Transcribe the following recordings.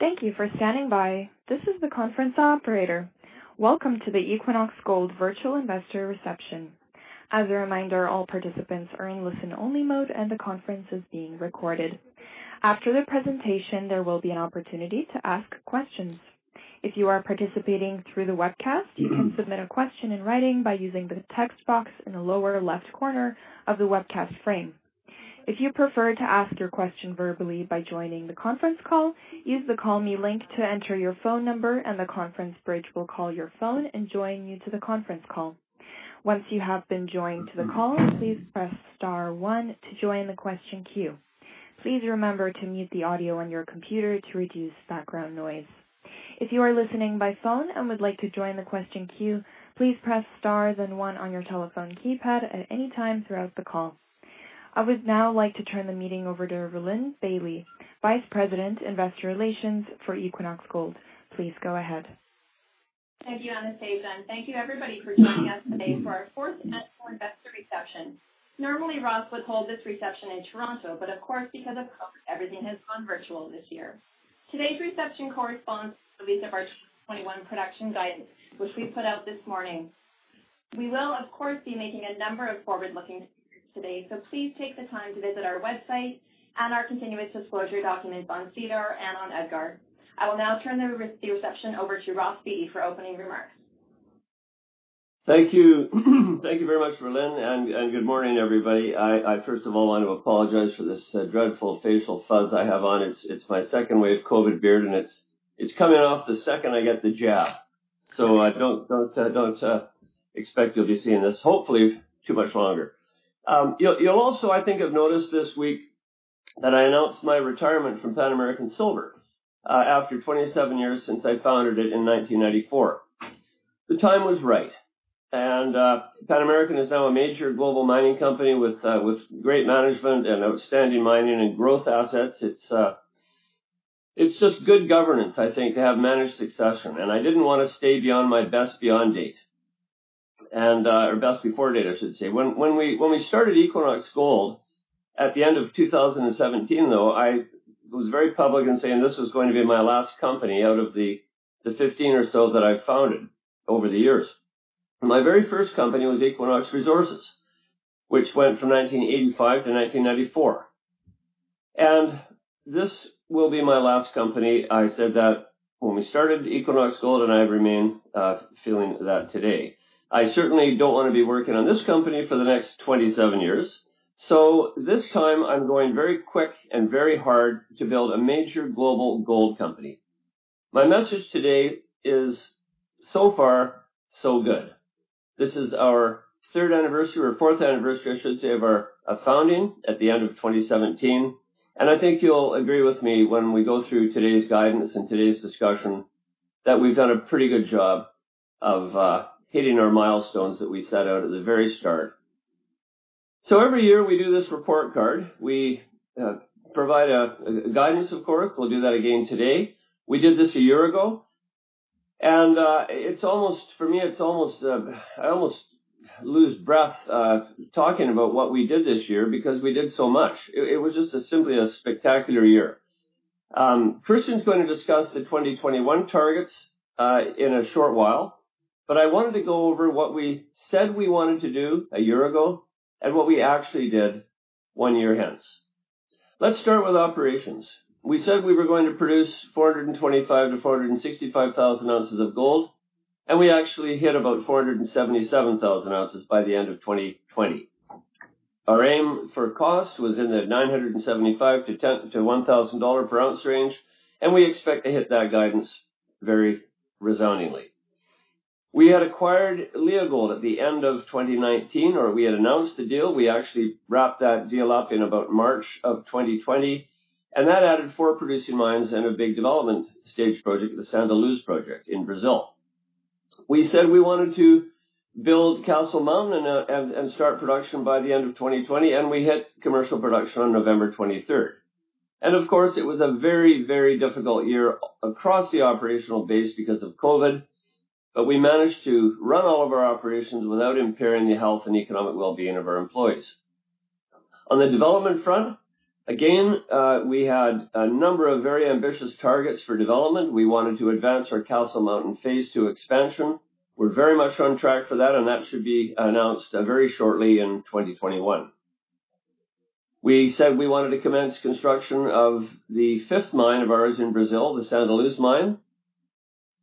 Thank you for standing by. This is the conference operator. Welcome to the Equinox Gold Virtual Investor Reception. As a reminder, all participants are in listen-only mode, and the conference is being recorded. After the presentation, there will be an opportunity to ask questions. If you are participating through the webcast, you can submit a question in writing by using the text box in the lower left corner of the webcast frame. If you prefer to ask your question verbally by joining the conference call, use the Call Me link to enter your phone number, and the conference bridge will call your phone and join you to the conference call. Once you have been joined to the call, please press star one to join the question queue. Please remember to mute the audio on your computer to reduce background noise. If you are listening by phone and would like to join the question queue, please press star then one on your telephone keypad at any time throughout the call. I would now like to turn the meeting over to Rhylin Bailie, Vice President, Investor Relations for Equinox Gold. Please go ahead. Thank you, Anastasia, and thank you, everybody, for joining us today for our fourth annual investor reception. Normally, Ross would hold this reception in Toronto, but of course, because of COVID, everything has gone virtual this year. Today's reception corresponds to the release of our 2021 production guidance, which we put out this morning. We will, of course, be making a number of forward-looking statements today, so please take the time to visit our website and our continuous disclosure documents on SEDAR and on EDGAR. I will now turn the reception over to Ross Beaty for opening remarks. Thank you very much, Rhylin, good morning, everybody. I first of all want to apologize for this dreadful facial fuzz I have on. It's my second wave COVID beard, it's coming off the second I get the jab. Don't expect you'll be seeing this hopefully too much longer. You'll also, I think, have noticed this week that I announced my retirement from Pan American Silver after 27 years since I founded it in 1994. The time was right, Pan American is now a major global mining company with great management and outstanding mining and growth assets. It's just good governance, I think, to have managed succession, I didn't want to stay beyond my best beyond date. Best before date, I should say. When we started Equinox Gold at the end of 2017, though, I was very public in saying this was going to be my last company out of the 15 or so that I've founded over the years. My very first company was Equinox Resources, which went from 1985 to 1994. This will be my last company. I said that when we started Equinox Gold, I remain feeling that today. I certainly don't want to be working on this company for the next 27 years. This time I'm going very quick and very hard to build a major global gold company. My message today is so far, so good. This is our third anniversary or fourth anniversary, I should say, of our founding at the end of 2017. I think you'll agree with me when we go through today's guidance and today's discussion that we've done a pretty good job of hitting our milestones that we set out at the very start. Every year we do this report card. We provide a guidance, of course. We'll do that again today. We did this a year ago, and for me, I almost lose breath talking about what we did this year because we did so much. It was just simply a spectacular year. Christian's going to discuss the 2021 targets in a short while. I wanted to go over what we said we wanted to do a year ago and what we actually did one year hence. Let's start with operations. We said we were going to produce 425,000 to 465,000 ounces of gold, and we actually hit about 477,000 ounces by the end of 2020. Our aim for cost was in the $975-$1,000 per ounce range, and we expect to hit that guidance very resoundingly. We had acquired Leagold at the end of 2019, or we had announced the deal. We actually wrapped that deal up in about March of 2020, and that added four producing mines and a big development stage project, the Santa Luz project in Brazil. We said we wanted to build Castle Mountain and start production by the end of 2020, and we hit commercial production on November 23rd. Of course, it was a very, very difficult year across the operational base because of COVID, but we managed to run all of our operations without impairing the health and economic well-being of our employees. On the development front, again, we had a number of very ambitious targets for development. We wanted to advance our Castle Mountain phase II expansion. We're very much on track for that, and that should be announced very shortly in 2021. We said we wanted to commence construction of the fifth mine of ours in Brazil, the Santa Luz mine,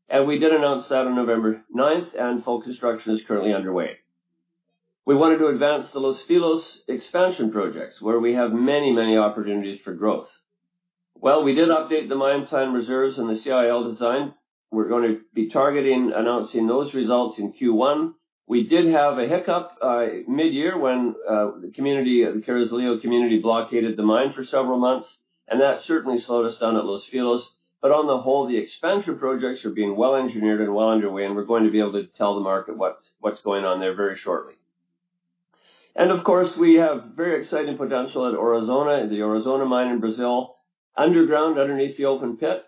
and we did announce that on November 9th, and full construction is currently underway. We wanted to advance the Los Filos expansion projects, where we have many, many opportunities for growth. Well, we did update the mine plan reserves and the CIL design. We're going to be targeting announcing those results in Q1. We did have a hiccup mid-year when the community at the Carrizalillo community blockaded the mine for several months. That certainly slowed us down at Los Filos. On the whole, the expansion projects are being well-engineered and well underway. We're going to be able to tell the market what's going on there very shortly. Of course, we have very exciting potential at Aurizona, the Aurizona mine in Brazil, underground, underneath the open pit.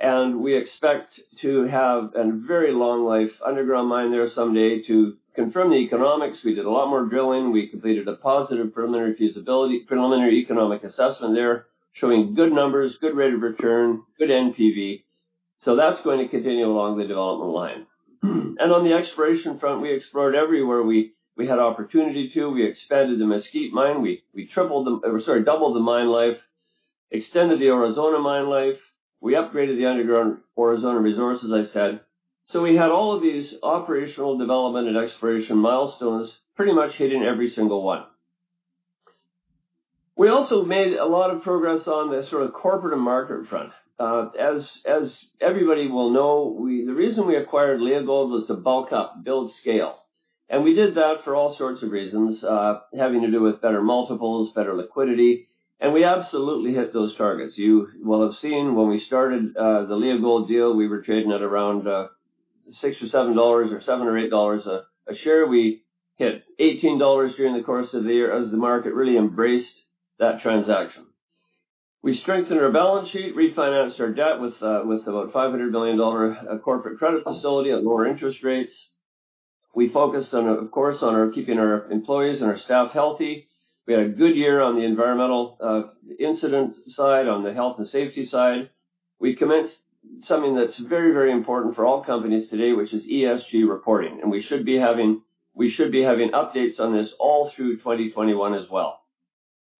We expect to have a very long life underground mine there someday to confirm the economics. We did a lot more drilling. We completed a positive preliminary economic assessment there showing good numbers, good rate of return, good NPV. That's going to continue along the development line. On the exploration front, we explored everywhere we had opportunity to. We expanded the Mesquite mine. We doubled the mine life, extended the Aurizona mine life. We upgraded the underground Aurizona resource, as I said. We had all of these operational development and exploration milestones, pretty much hitting every single one. We also made a lot of progress on the corporate and market front. As everybody will know, the reason we acquired Leagold was to bulk up, build scale. We did that for all sorts of reasons, having to do with better multiples, better liquidity, and we absolutely hit those targets. You will have seen when we started the Leagold deal, we were trading at around six or $7 or seven or $8 a share. We hit $18 during the course of the year as the market really embraced that transaction. We strengthened our balance sheet, refinanced our debt with about $500 million of corporate credit facility at lower interest rates. We focused on, of course, on keeping our employees and our staff healthy. We had a good year on the environmental incident side, on the health and safety side. We commenced something that's very, very important for all companies today, which is ESG reporting. We should be having updates on this all through 2021 as well.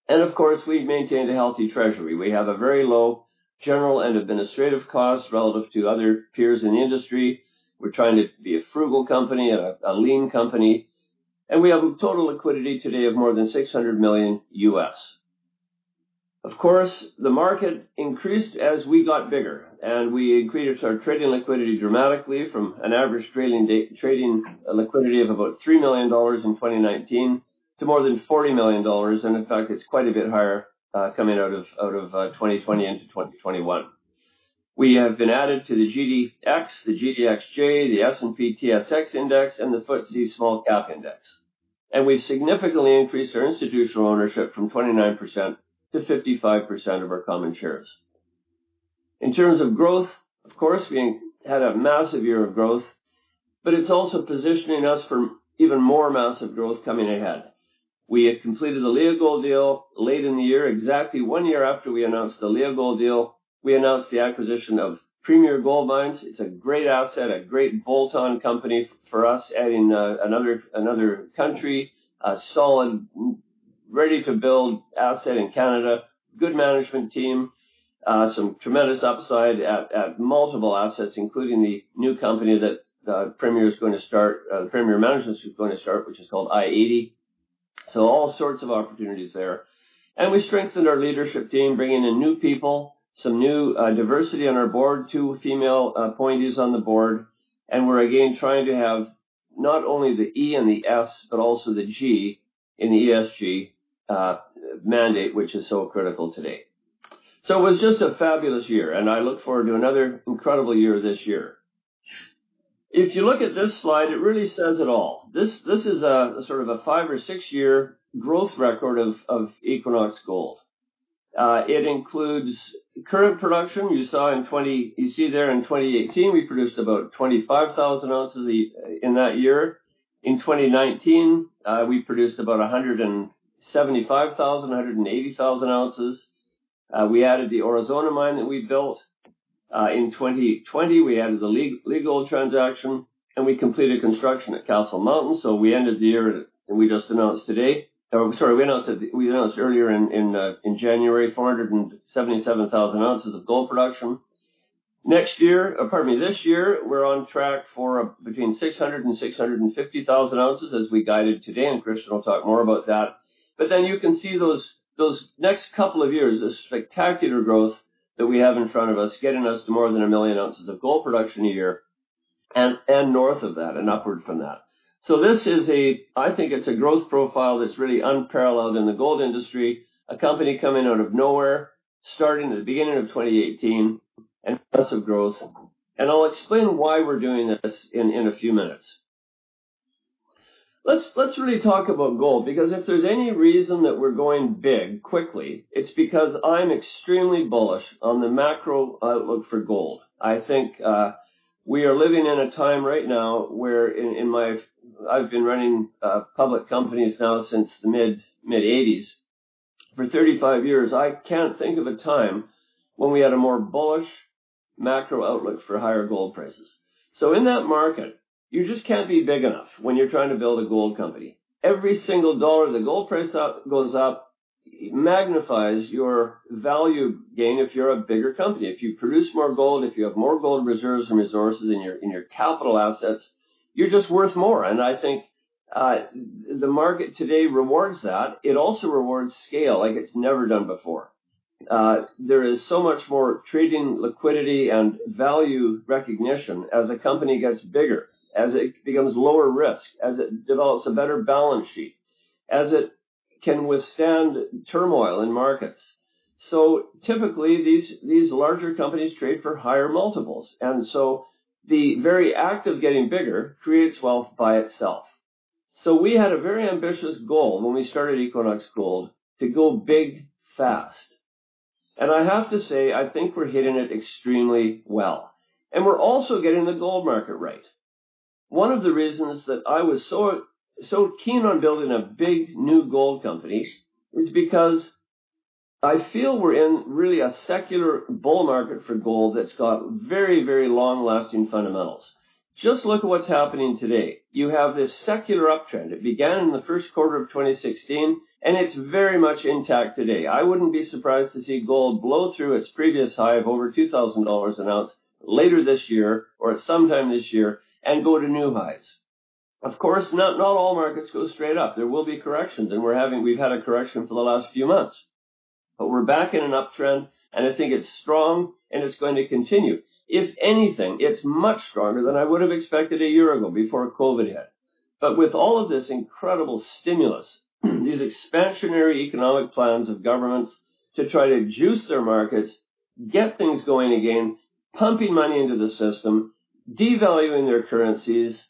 Of course, we've maintained a healthy treasury. We have a very low general and administrative cost relative to other peers in the industry. We're trying to be a frugal company and a lean company, and we have a total liquidity today of more than $600 million U.S. Of course, the market increased as we got bigger, and we increased our trading liquidity dramatically from an average trading liquidity of about $3 million in 2019 to more than $40 million. In fact, it's quite a bit higher coming out of 2020 into 2021. We have been added to the GDX, the GDXJ, the S&P TSX Index, and the FTSE SmallCap Index. We've significantly increased our institutional ownership from 29%-55% of our common shares. In terms of growth, of course, we had a massive year of growth, but it's also positioning us for even more massive growth coming ahead. We had completed the Leagold deal late in the year. Exactly one year after we announced the Leagold deal, we announced the acquisition of Premier Gold Mines. It's a great asset, a great bolt-on company for us, adding another country, a solid, ready-to-build asset in Canada, good management team, some tremendous upside at multiple assets, including the new company that Premier management's going to start, which is called i-80. All sorts of opportunities there. We strengthened our leadership team, bringing in new people, some new diversity on our board, two female appointees on the board, and we're again trying to have not only the E and the S, but also the G in the ESG mandate, which is so critical today. It was just a fabulous year, and I look forward to another incredible year this year. If you look at this slide, it really says it all. This is a five or six-year growth record of Equinox Gold. It includes current production. You see there in 2018, we produced about 25,000 ounces in that year. In 2019, we produced about 175,000, 180,000 ounces. We added the Aurizona mine that we built. In 2020, we added the Leagold transaction, and we completed construction at Castle Mountain. We ended the year, we just announced today, or sorry, we announced earlier in January, 477,000 ounces of gold production. This year, we're on track for between 600,000 and 650,000 ounces as we guided today, and Christian Milau will talk more about that. You can see those next couple of years, the spectacular growth that we have in front of us getting us to more than 1 million ounces of gold production a year, and north of that and upward from that. This is a, I think it's a growth profile that's really unparalleled in the gold industry, a company coming out of nowhere, starting at the beginning of 2018, and massive growth. I'll explain why we're doing this in a few minutes. Let's really talk about gold, because if there's any reason that we're going big quickly, it's because I'm extremely bullish on the macro outlook for gold. I think we are living in a time right now where I've been running public companies now since the mid-80s, for 35 years. I can't think of a time when we had a more bullish macro outlook for higher gold prices. In that market, you just can't be big enough when you're trying to build a gold company. Every single dollar the gold price goes up magnifies your value gain if you're a bigger company. If you produce more gold, if you have more gold reserves and resources in your capital assets, you're just worth more. I think the market today rewards that. It also rewards scale like it's never done before. There is so much more trading liquidity and value recognition as a company gets bigger, as it becomes lower risk, as it develops a better balance sheet, as it can withstand turmoil in markets. Typically, these larger companies trade for higher multiples, and so the very act of getting bigger creates wealth by itself. We had a very ambitious goal when we started Equinox Gold to go big fast. I have to say, I think we're hitting it extremely well. We're also getting the gold market right. One of the reasons that I was so keen on building a big new gold company is because I feel we're in really a secular bull market for gold that's got very, very long-lasting fundamentals. Just look at what's happening today. You have this secular uptrend. It began in the first quarter of 2016, and it's very much intact today. I wouldn't be surprised to see gold blow through its previous high of over $2,000 an ounce later this year or at some time this year and go to new highs. Of course, not all markets go straight up. There will be corrections, and we've had a correction for the last few months. We're back in an uptrend, and I think it's strong and it's going to continue. If anything, it's much stronger than I would have expected a year ago before COVID hit. With all of this incredible stimulus, these expansionary economic plans of governments to try to juice their markets, get things going again, pumping money into the system, devaluing their currencies,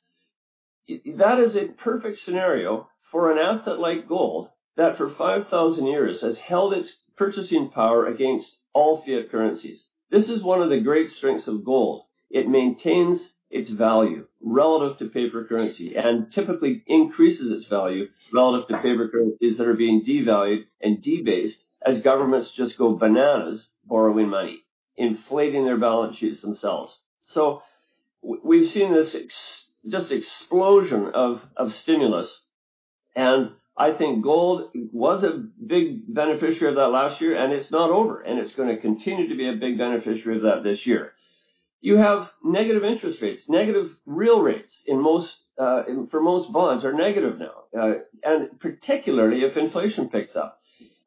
that is a perfect scenario for an asset like gold, that for 5,000 years has held its purchasing power against all fiat currencies. This is one of the great strengths of gold. It maintains its value relative to paper currency, and typically increases its value relative to paper currencies that are being devalued and debased as governments just go bananas borrowing money, inflating their balance sheets themselves. We've seen this just explosion of stimulus, and I think gold was a big beneficiary of that last year, and it's not over, and it's going to continue to be a big beneficiary of that this year. You have negative interest rates, negative real rates for most bonds are negative now, and particularly if inflation picks up.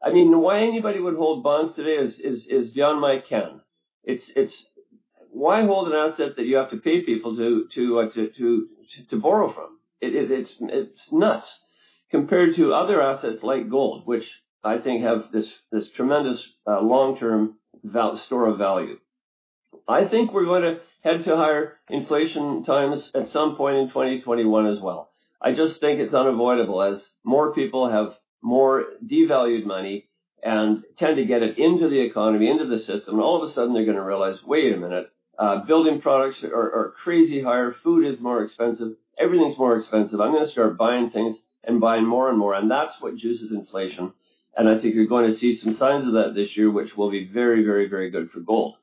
Why anybody would hold bonds today is beyond my ken. Why hold an asset that you have to pay people to borrow from? It's nuts compared to other assets like gold, which I think have this tremendous long-term store of value. I think we're going to head to higher inflation times at some point in 2021 as well. I just think it's unavoidable as more people have more devalued money and tend to get it into the economy, into the system, all of a sudden, they're going to realize, "Wait a minute, building products are crazy higher. Food is more expensive. Everything's more expensive. I'm going to start buying things and buying more and more." That's what juices inflation, and I think you're going to see some signs of that this year, which will be very, very, very good for gold.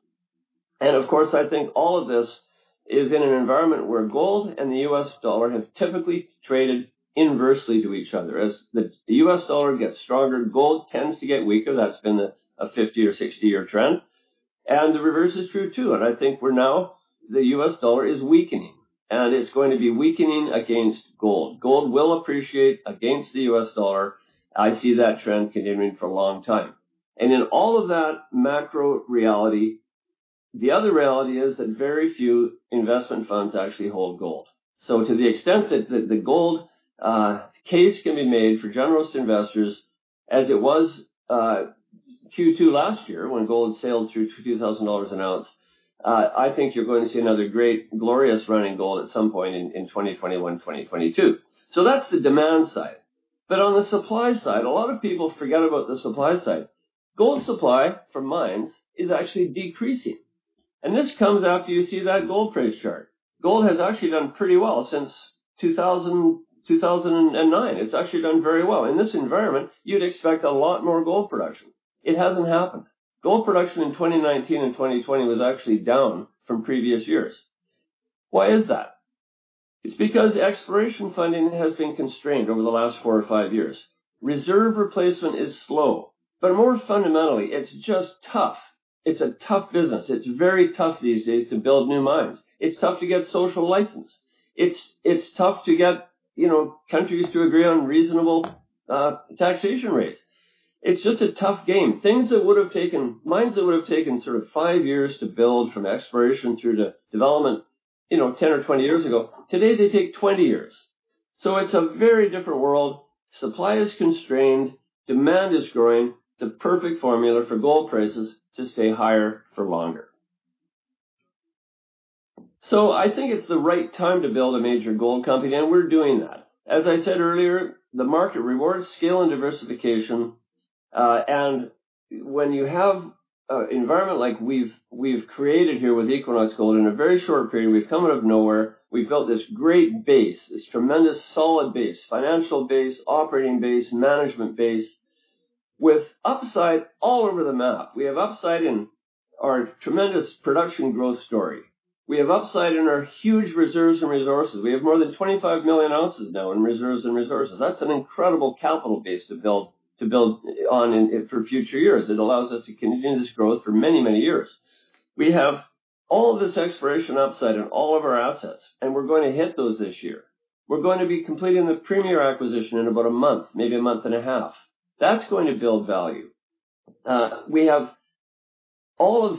Of course, I think all of this is in an environment where gold and the U.S. dollar have typically traded inversely to each other. As the U.S. dollar gets stronger, gold tends to get weaker. That's been a 50 or 60-year trend. The reverse is true, too, and I think now the U.S. dollar is weakening, and it's going to be weakening against gold. Gold will appreciate against the U.S. dollar. I see that trend continuing for a long time. In all of that macro reality, the other reality is that very few investment funds actually hold gold. To the extent that the gold case can be made for generalist investors as it was Q2 last year when gold sailed through $2,000 an ounce, I think you're going to see another great, glorious run in gold at some point in 2021, 2022. That's the demand side. On the supply side, a lot of people forget about the supply side. Gold supply from mines is actually decreasing, and this comes after you see that gold price chart. Gold has actually done pretty well since 2009. It's actually done very well. In this environment, you'd expect a lot more gold production. It hasn't happened. Gold production in 2019 and 2020 was actually down from previous years. Why is that? It's because exploration funding has been constrained over the last four or five years. Reserve replacement is slow, but more fundamentally, it's just tough. It's a tough business. It's very tough these days to build new mines. It's tough to get social license. It's tough to get countries to agree on reasonable taxation rates. It's just a tough game. Mines that would have taken sort of five years to build from exploration through to development 10 or 20 years ago, today, they take 20 years. It's a very different world. Supply is constrained, demand is growing. The perfect formula for gold prices to stay higher for longer. I think it's the right time to build a major gold company, and we're doing that. As I said earlier, the market rewards scale and diversification. When you have an environment like we've created here with Equinox Gold in a very short period, we've come out of nowhere. We've built this great base, this tremendous solid base, financial base, operating base, management base with upside all over the map. We have upside in our tremendous production growth story. We have upside in our huge reserves and resources. We have more than 25 million ounces now in reserves and resources. That's an incredible capital base to build on for future years. It allows us to continue this growth for many, many years. We have all of this exploration upside in all of our assets, and we're going to hit those this year. We're going to be completing the Premier acquisition in about a month, maybe a month and a half. That's going to build value. We have all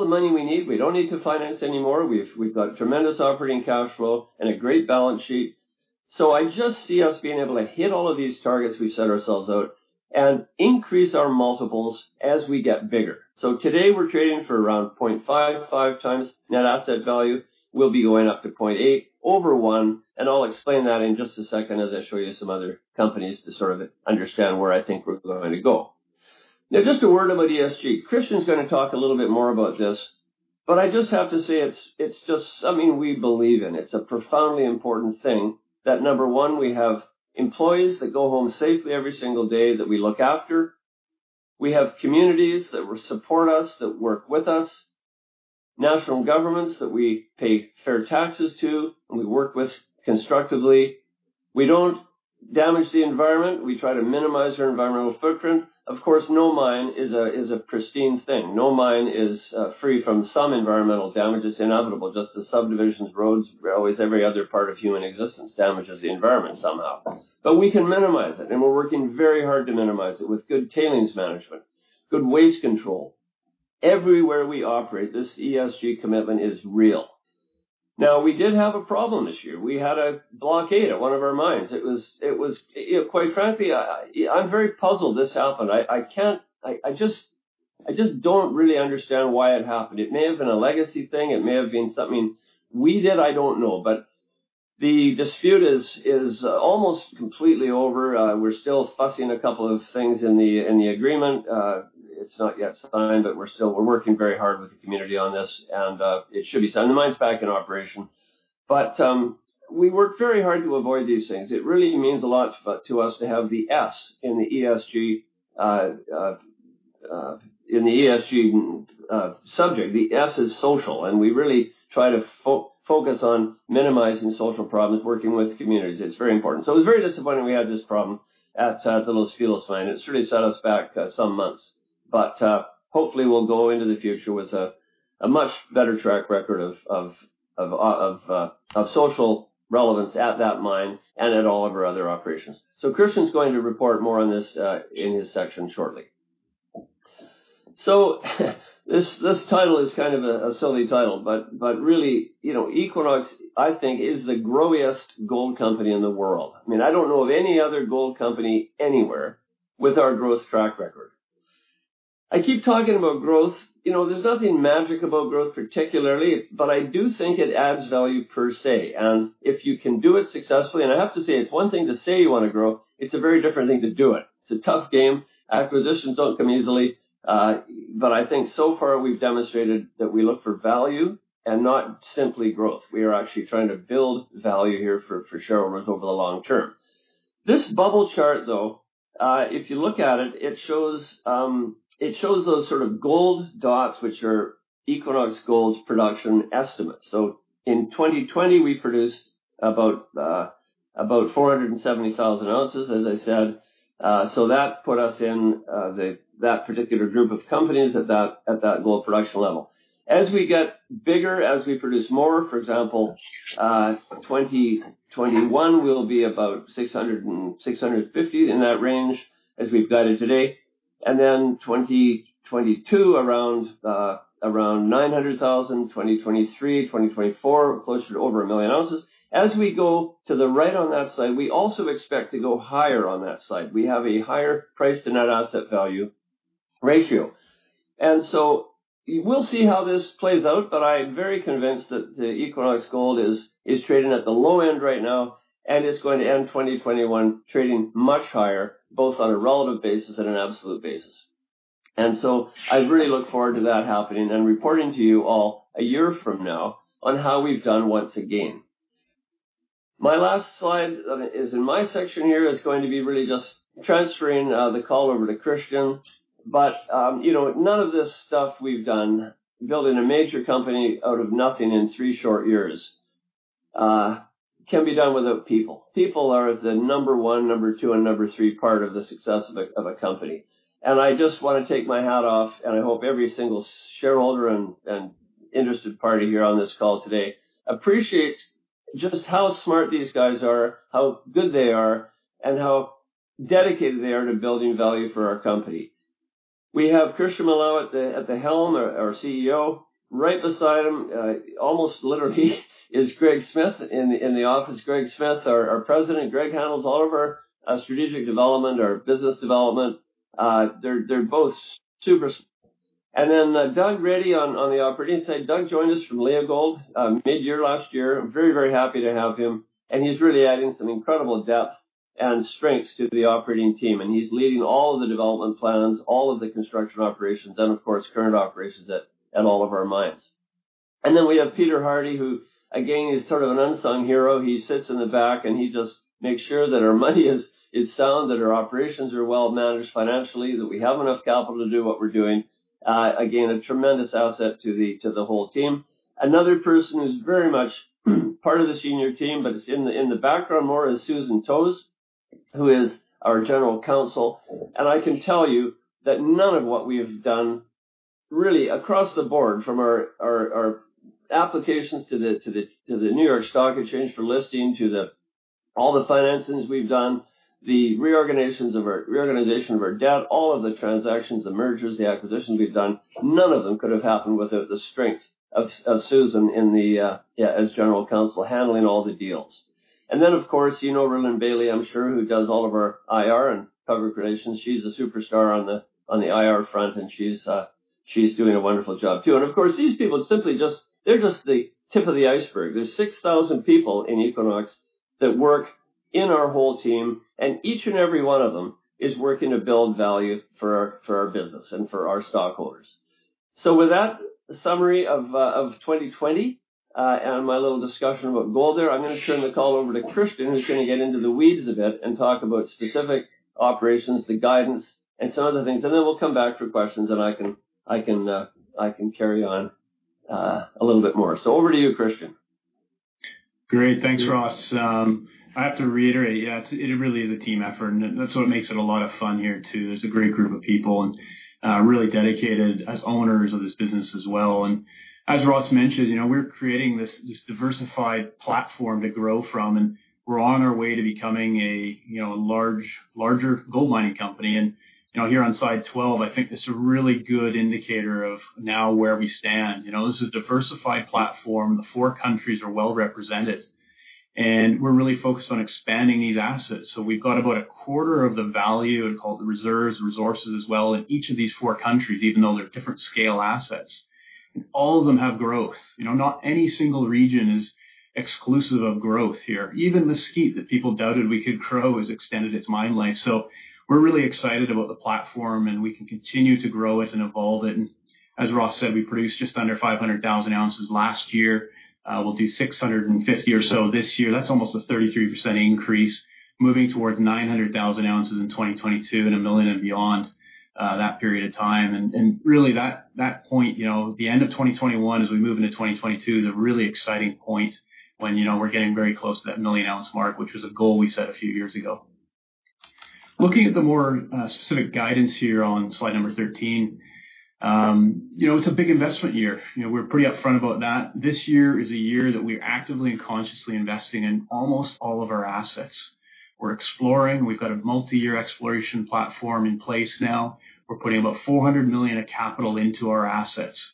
the money we need. We don't need to finance anymore. We've got tremendous operating cash flow and a great balance sheet. I just see us being able to hit all of these targets we set ourselves out and increase our multiples as we get bigger. Today we're trading for around 0.55 times net asset value. We'll be going up to 0.8 over one, and I'll explain that in just a second as I show you some other companies to sort of understand where I think we're going to go. Now, just a word about ESG. Christian's going to talk a little bit more about this, but I just have to say, it's just something we believe in. It's a profoundly important thing that, number one, we have employees that go home safely every single day that we look after. We have communities that support us, that work with us, national governments that we pay fair taxes to, and we work with constructively. We don't damage the environment. We try to minimize our environmental footprint. Of course, no mine is a pristine thing. No mine is free from some environmental damage. It's inevitable. Just as subdivisions, roads, railways, every other part of human existence damages the environment somehow. We can minimize it, and we're working very hard to minimize it with good tailings management, good waste control. Everywhere we operate, this ESG commitment is real. Now, we did have a problem this year. We had a blockade at one of our mines. Quite frankly, I'm very puzzled this happened. I just don't really understand why it happened. It may have been a legacy thing. It may have been something we did, I don't know. The dispute is almost completely over. We're still fussing a couple of things in the agreement. It's not yet signed, but we're working very hard with the community on this, and it should be signed. The mine's back in operation. We work very hard to avoid these things. It really means a lot to us to have the S in the ESG subject. The S is social, and we really try to focus on minimizing social problems, working with communities. It's very important. It was very disappointing we had this problem at the Los Filos mine. It's really set us back some months. Hopefully we'll go into the future with a much better track record of social relevance at that mine and at all of our other operations. Christian's going to report more on this in his section shortly. This title is kind of a silly title, but really, Equinox, I think, is the growiest gold company in the world. I don't know of any other gold company anywhere with our growth track record. I keep talking about growth. There's nothing magic about growth particularly, but I do think it adds value per se, and if you can do it successfully, and I have to say, it's one thing to say you want to grow, it's a very different thing to do it. It's a tough game. Acquisitions don't come easily. I think so far we've demonstrated that we look for value and not simply growth. We are actually trying to build value here for shareholders over the long term. This bubble chart, though, if you look at it shows those sort of gold dots, which are Equinox Gold's production estimates. In 2020, we produced about 470,000 ounces, as I said. That put us in that particular group of companies at that gold production level. As we get bigger, as we produce more, for example, 2021 will be about 600,000 and 650,000, in that range, as we've guided today, and then 2022, around 900,000. 2023, 2024, closer to over 1 million ounces. As we go to the right on that slide, we also expect to go higher on that slide. We have a higher price to net asset value ratio. We'll see how this plays out, but I am very convinced that Equinox Gold is trading at the low end right now and is going to end 2021 trading much higher, both on a relative basis and an absolute basis. I really look forward to that happening and reporting to you all a year from now on how we've done once again. My last slide is in my section here is going to be really just transferring the call over to Christian. None of this stuff we've done, building a major company out of nothing in three short years, can be done without people. People are the number one, number two, and number three part of the success of a company. I just want to take my hat off, and I hope every single shareholder and interested party here on this call today appreciates just how smart these guys are, how good they are, and how dedicated they are to building value for our company. We have Christian Milau at the helm, our CEO. Right beside him, almost literally is Greg Smith in the office. Greg Smith, our President. Greg handles all of our strategic development, our business development. They're both super. Doug Reddy on the operating side. Doug joined us from Leagold mid-year last year. I'm very happy to have him, and he's really adding some incredible depth and strengths to the operating team, and he's leading all of the development plans, all of the construction operations, and of course, current operations at all of our mines. Then we have Peter Hardie, who, again, is sort of an unsung hero. He sits in the back, and he just makes sure that our money is sound, that our operations are well-managed financially, that we have enough capital to do what we're doing. A tremendous asset to the whole team. Another person who's very much part of the senior team, but is in the background more is Susan Toews, who is our general counsel. I can tell you that none of what we have done really across the board, from our applications to the New York Stock Exchange for listing, to all the financings we've done, the reorganization of our debt, all of the transactions, the mergers, the acquisitions we've done, none of them could have happened without the strength of Susan as general counsel handling all the deals. Then, of course, you know Rhylin Bailie, I'm sure, who does all of our IR and public relations. She's a superstar on the IR front, she's doing a wonderful job, too. Of course, these people, they're just the tip of the iceberg. There's 6,000 people in Equinox Gold that work in our whole team, each and every one of them is working to build value for our business and for our stockholders. With that summary of 2020, and my little discussion about gold there, I'm going to turn the call over to Christian, who's going to get into the weeds a bit and talk about specific operations, the guidance, and some other things. Then we'll come back for questions, I can carry on a little bit more. Over to you, Christian. Great. Thanks, Ross. I have to reiterate, yeah, it really is a team effort, and that's what makes it a lot of fun here, too. There's a great group of people, and really dedicated as owners of this business as well. As Ross mentioned, we're creating this diversified platform to grow from, and we're on our way to becoming a larger gold mining company. Here on slide 12, I think this is a really good indicator of now where we stand. This is a diversified platform. The four countries are well-represented, and we're really focused on expanding these assets. We've got about a quarter of the value, I'd call it the reserves, resources as well in each of these four countries, even though they're different scale assets. All of them have growth. Not any single region is exclusive of growth here. Even Mesquite that people doubted we could grow has extended its mine life. We're really excited about the platform, and we can continue to grow it and evolve it. As Ross said, we produced just under 500,000 ounces last year. We'll do 650 or so this year. That's almost a 33% increase. Moving towards 900,000 ounces in 2022 and a million and beyond that period of time. Really that point, the end of 2021 as we move into 2022, is a really exciting point when we're getting very close to that million ounce mark, which was a goal we set a few years ago. Looking at the more specific guidance here on slide number 13. It's a big investment year. We're pretty upfront about that. This year is a year that we're actively and consciously investing in almost all of our assets. We're exploring. We've got a multi-year exploration platform in place now. We're putting about $400 million of capital into our assets.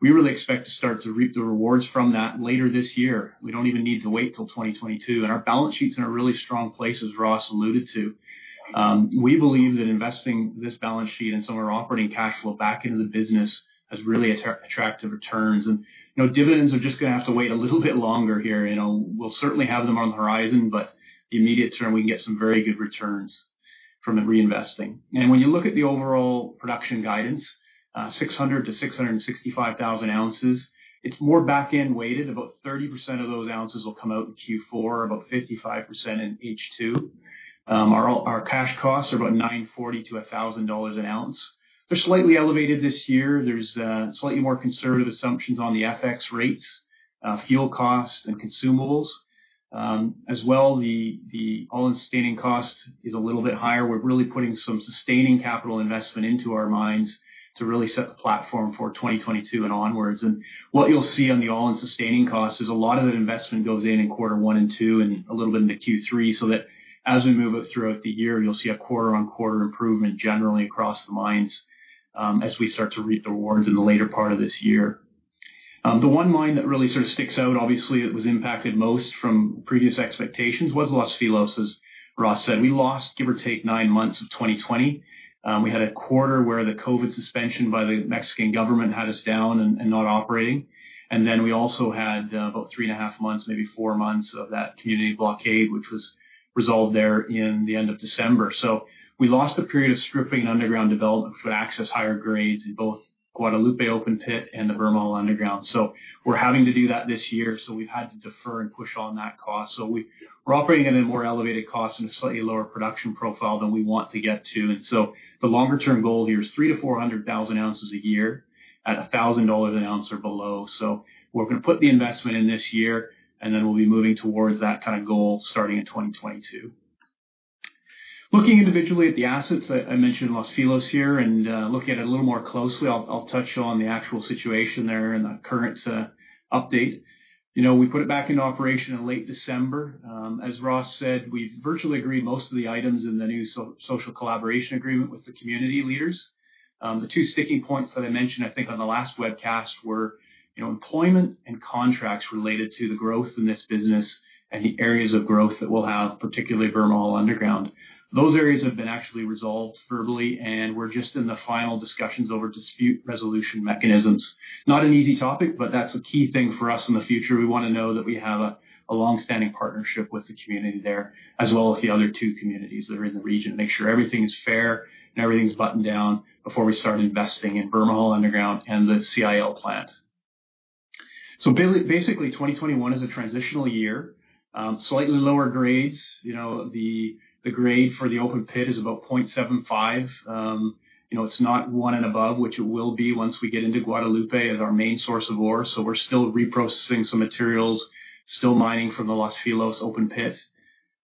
We really expect to start to reap the rewards from that later this year. We don't even need to wait till 2022, our balance sheet's in a really strong place, as Ross alluded to. We believe that investing this balance sheet and some of our operating cash flow back into the business has really attractive returns. Dividends are just going to have to wait a little bit longer here. We'll certainly have them on the horizon, the immediate term, we can get some very good returns from the reinvesting. When you look at the overall production guidance, 600,000-665,000 ounces, it's more back-end weighted. About 30% of those ounces will come out in Q4, about 55% in H2. Our cash costs are about $940-$1,000 an ounce. They're slightly elevated this year. There's slightly more conservative assumptions on the FX rates, fuel costs, and consumables. As well, the all-in sustaining cost is a little bit higher. We're really putting some sustaining capital investment into our mines to really set the platform for 2022 and onwards. What you'll see on the all-in sustaining costs is a lot of the investment goes in Q1 and Q2 and a little bit into Q3, so that as we move it throughout the year, you'll see a quarter-on-quarter improvement generally across the mines, as we start to reap the rewards in the later part of this year. The one mine that really sort of sticks out, obviously it was impacted most from previous expectations, was Los Filos, as Ross said. We lost, give or take, nine months of 2020. We had a quarter where the COVID suspension by the Mexican government had us down and not operating. We also had about three and a half months, maybe four months of that community blockade, which was resolved there in the end of December. We lost a period of stripping underground development for access higher grades in both Guadalupe open pit and the Bermejal Underground. We're having to do that this year, so we've had to defer and push on that cost. We're operating at a more elevated cost and a slightly lower production profile than we want to get to. The longer-term goal here is 300,000-400,000 ounces a year at $1,000 an ounce or below. We're going to put the investment in this year, and then we'll be moving towards that goal starting in 2022. Looking individually at the assets, I mentioned Los Filos here, and looking at it a little more closely, I'll touch on the actual situation there and the current update. We put it back into operation in late December. As Ross said, we virtually agreed most of the items in the new social collaboration agreement with the community leaders. The two sticking points that I mentioned, I think on the last webcast, were employment and contracts related to the growth in this business and the areas of growth that we'll have, particularly Bermejal Underground. Those areas have been actually resolved verbally, and we're just in the final discussions over dispute resolution mechanisms. Not an easy topic, but that's a key thing for us in the future. We want to know that we have a long-standing partnership with the community there, as well as the other two communities that are in the region, make sure everything is fair and everything's buttoned down before we start investing in Bermejal Underground and the CIL plant. Basically, 2021 is a transitional year. Slightly lower grades. The grade for the open pit is about 0.75. It's not one and above, which it will be once we get into Guadalupe as our main source of ore. We're still reprocessing some materials, still mining from the Los Filos open pit.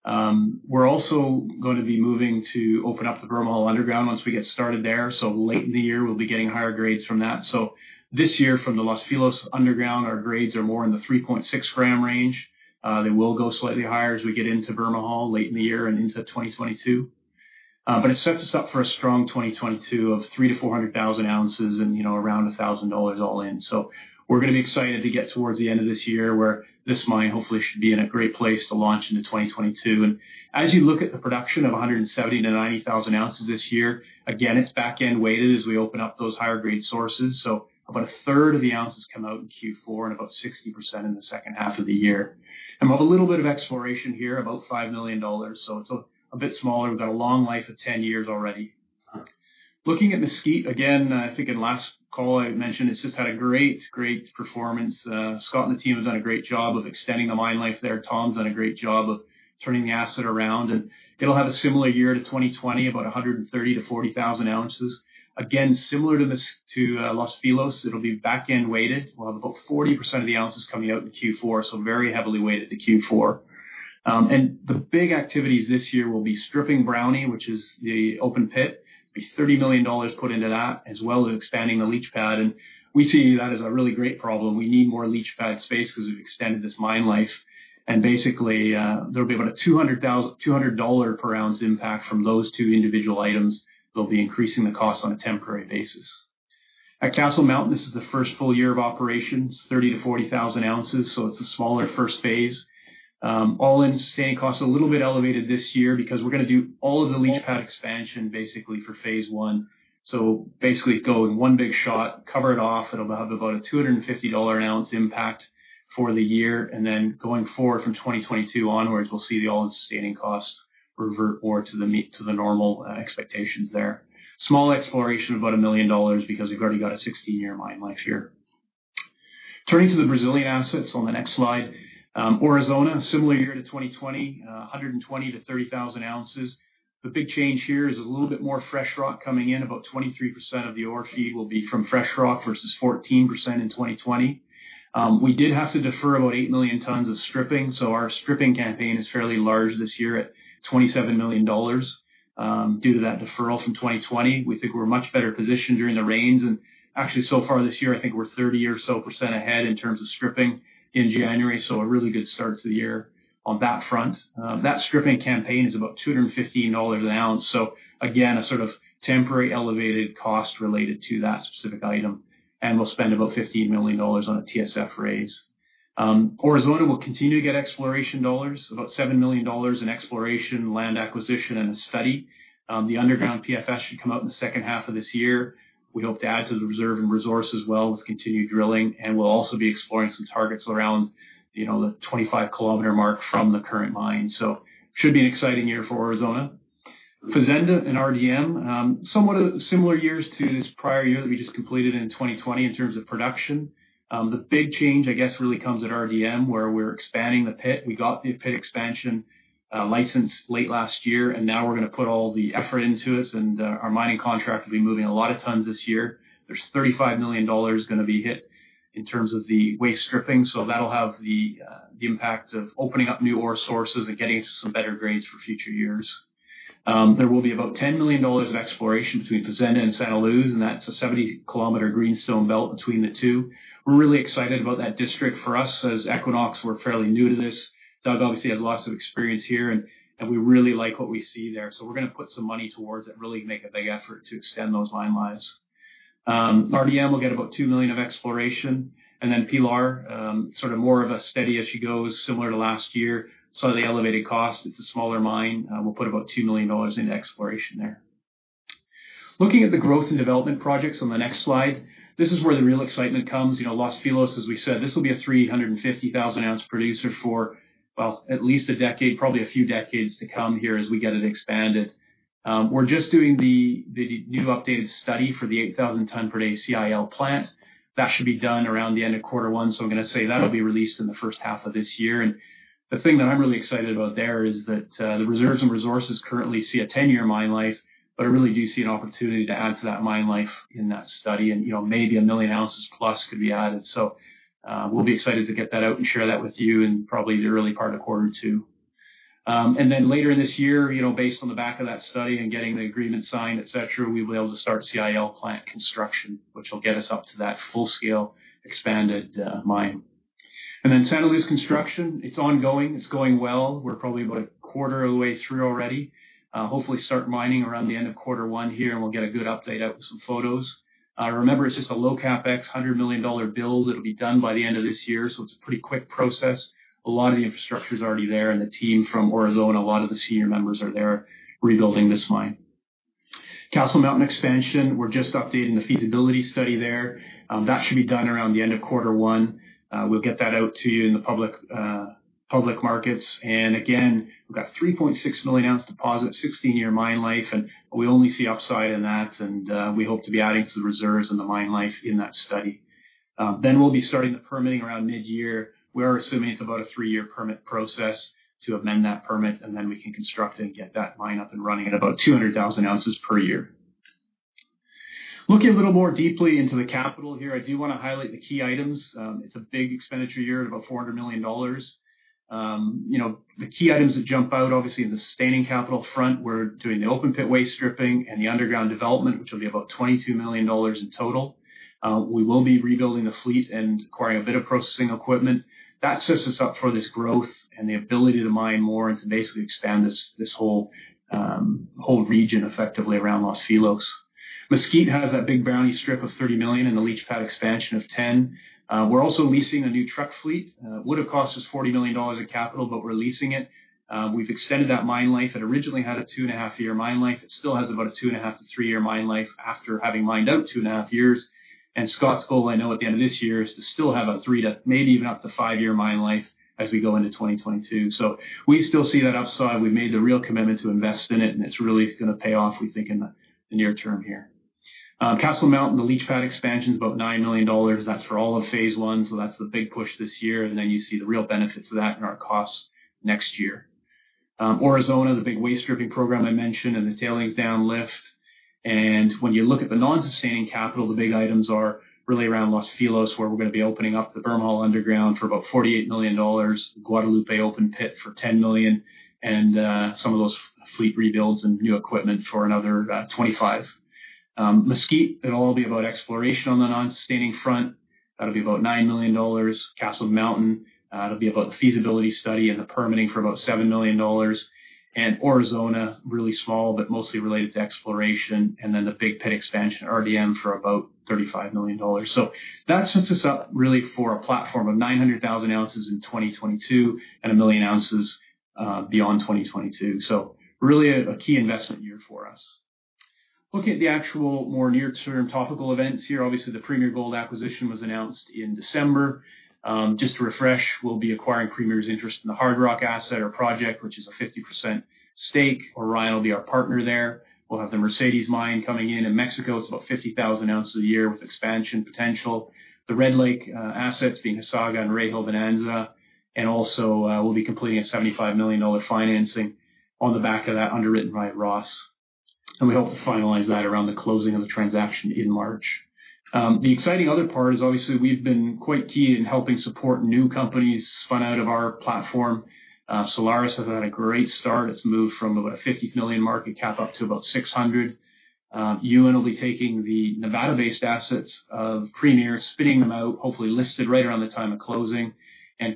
We're also going to be moving to open up the Bermejal Underground once we get started there, late in the year, we'll be getting higher grades from that. This year from the Los Filos underground, our grades are more in the 3.6 gram range. They will go slightly higher as we get into Bermejal late in the year and into 2022. It sets us up for a strong 2022 of 300,000-400,000 ounces and around $1,000 all in. We're going to be excited to get towards the end of this year where this mine hopefully should be in a great place to launch into 2022. As you look at the production of 170,000-190,000 ounces this year, again, it's back-end weighted as we open up those higher grade sources. About a third of the ounces come out in Q4 and about 60% in the second half of the year. We'll have a little bit of exploration here, about $5 million. It's a bit smaller. We've got a long life of 10 years already. Looking at Mesquite again, I think in last call I mentioned it's just had a great performance. Scott and the team have done a great job of extending the mine life there. Tom's done a great job of turning the asset around, it'll have a similar year to 2020, about 130-40,000 ounces. Again, similar to Los Filos, it'll be back-end weighted. We'll have about 40% of the ounces coming out in Q4, very heavily weighted to Q4. The big activities this year will be stripping Brownie, which is the open pit. It'll be $30 million put into that, as well as expanding the leach pad, and we see that as a really great problem. We need more leach pad space because we've extended this mine life, basically, there'll be about a $200 per ounce impact from those two individual items. They'll be increasing the cost on a temporary basis. At Castle Mountain, this is the first full year of operations, 30,000-40,000 ounces, it's a smaller first phase. All-in sustaining costs a little bit elevated this year because we're going to do all of the leach pad expansion basically for phase I. Basically go in one big shot, cover it off, it'll have about a $250 per ounce impact for the year, going forward from 2022 onwards, we'll see the all-in sustaining costs revert more to the normal expectations there. Small exploration of about $1 million because we've already got a 16-year mine life here. Turning to the Brazilian assets on the next slide. Aurizona, similar year to 2020, 120-30,000 ounces. The big change here is a little bit more fresh rock coming in, about 23% of the ore feed will be from fresh rock versus 14% in 2020. We did have to defer about 8 million tons of stripping, our stripping campaign is fairly large this year at $27 million due to that deferral from 2020. We think we're much better positioned during the rains, actually so far this year, I think we're 30% or so ahead in terms of stripping in January. A really good start to the year on that front. That stripping campaign is about $215 an ounce. Again, a sort of temporary elevated cost related to that specific item, we'll spend about $15 million on a TSF raise. Aurizona will continue to get exploration dollars, about $7 million in exploration, land acquisition and a study. The underground PFS should come out in the second half of this year. We hope to add to the reserve and resource as well with continued drilling, and we'll also be exploring some targets around the 25 km mark from the current mine. Should be an exciting year for Aurizona. Fazenda and RDM, somewhat similar years to this prior year that we just completed in 2020 in terms of production. The big change, I guess, really comes at RDM where we're expanding the pit. We got the pit expansion license late last year, and now we're going to put all the effort into it and our mining contract will be moving a lot of tons this year. There's $35 million going to be hit in terms of the waste stripping. That'll have the impact of opening up new ore sources and getting into some better grades for future years. There will be about $10 million in exploration between Fazenda and Santa Luz, and that's a 70 km greenstone belt between the two. We're really excited about that district. For us as Equinox, we're fairly new to this. Doug obviously has lots of experience here and we really like what we see there. We're going to put some money towards it, really make a big effort to extend those mine lives. RDM will get about $2 million of exploration, and then Pilar, sort of more of a steady as she goes similar to last year. Slightly elevated cost. It's a smaller mine. We'll put about $2 million into exploration there. Looking at the growth and development projects on the next slide. This is where the real excitement comes. Los Filos, as we said, this will be a 350,000-ounce producer for at least a decade, probably a few decades to come here as we get it expanded. We're just doing the new updated study for the 8,000 ton per day CIL plant. That should be done around the end of quarter one. I'm going to say that'll be released in the first half of this year. The thing that I'm really excited about there is that the reserves and resources currently see a 10-year mine life, but I really do see an opportunity to add to that mine life in that study and maybe a million ounces plus could be added. We'll be excited to get that out and share that with you in probably the early part of quarter two. Later this year, based on the back of that study and getting the agreement signed, et cetera, we will be able to start CIL plant construction, which will get us up to that full scale expanded mine. Santa Luz construction, it's ongoing. It's going well. We're probably about a quarter of the way through already. Hopefully start mining around the end of Q1 here, and we'll get a good update out with some photos. Remember, it's just a low CapEx, $100 million build that'll be done by the end of this year, so it's a pretty quick process. A lot of the infrastructure's already there and the team from Aurizona, a lot of the senior members are there rebuilding this mine. Castle Mountain expansion, we're just updating the feasibility study there. That should be done around the end of Q1. We'll get that out to you in the public markets. Again, we've got 3.6 million ounce deposit, 16-year mine life, and we only see upside in that, and we hope to be adding to the reserves and the mine life in that study. We'll be starting the permitting around mid-year. We're assuming it's about a three-year permit process to amend that permit, and then we can construct and get that mine up and running at about 200,000 ounces per year. Looking a little more deeply into the capital here, I do want to highlight the key items. It's a big expenditure year at about $400 million. The key items that jump out, obviously in the sustaining capital front, we're doing the open pit waste stripping and the underground development, which will be about $22 million in total. We will be rebuilding the fleet and acquiring a bit of processing equipment. That sets us up for this growth and the ability to mine more and to basically expand this whole region effectively around Los Filos. Mesquite has that big Brownie strip of 30 million and the leach pad expansion of 10. Would've cost us $40 million in capital, but we're leasing it. We've extended that mine life. It originally had a two and a half year mine life. It still has about a two and a half to three-year mine life after having mined out two and a half years. Scott's goal, I know at the end of this year is to still have a three to maybe even up to five-year mine life as we go into 2022. We still see that upside. We've made the real commitment to invest in it and it's really going to pay off, we think, in the near term here. Castle Mountain, the leach pad expansion is about $9 million. That's for all of phase I, that's the big push this year, you see the real benefits of that in our costs next year. Aurizona, the big waste stripping program I mentioned, and the tailings down lift. When you look at the non-sustaining capital, the big items are really around Los Filos, where we're going to be opening up the Bermejal underground for about $48 million, Guadalupe open pit for $10 million, some of those fleet rebuilds and new equipment for another about $25 million. Mesquite, it'll all be about exploration on the non-sustaining front. That'll be about $9 million. Castle Mountain, that'll be about the feasibility study and the permitting for about $7 million. Aurizona, really small, but mostly related to exploration, then the big pit expansion RDM for about $35 million. That sets us up really for a platform of 900,000 ounces in 2022 and 1 million ounces beyond 2022. Really a key investment year for us. Looking at the actual more near-term topical events here, obviously, the Premier Gold Mines acquisition was announced in December. Just to refresh, we'll be acquiring Premier Gold Mines' interest in the Hardrock asset or project, which is a 50% stake. Orion Mine Finance will be our partner there. We'll have the Mercedes mine coming in in Mexico. It's about 50,000 ounces a year with expansion potential. The Red Lake assets being Hasaga and Rahill-Bonanza. Also, we'll be completing a $75 million financing on the back of that underwritten by Ross. We hope to finalize that around the closing of the transaction in March. The exciting other part is obviously we've been quite key in helping support new companies spun out of our platform. Solaris has had a great start. It's moved from about a $50 million market cap up to about $600. i-80 Gold will be taking the Nevada-based assets of Premier, spinning them out, hopefully listed right around the time of closing.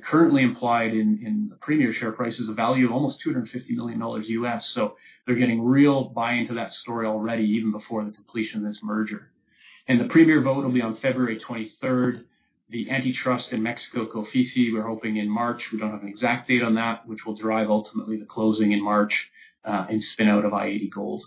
Currently implied in the Premier share price is a value of almost $250 million. They're getting real buy-in to that story already, even before the completion of this merger. The Premier vote will be on February 23rd. The antitrust in Mexico, COFECE, we're hoping in March. We don't have an exact date on that, which will drive ultimately the closing in March, and spin-out of i-80 Gold.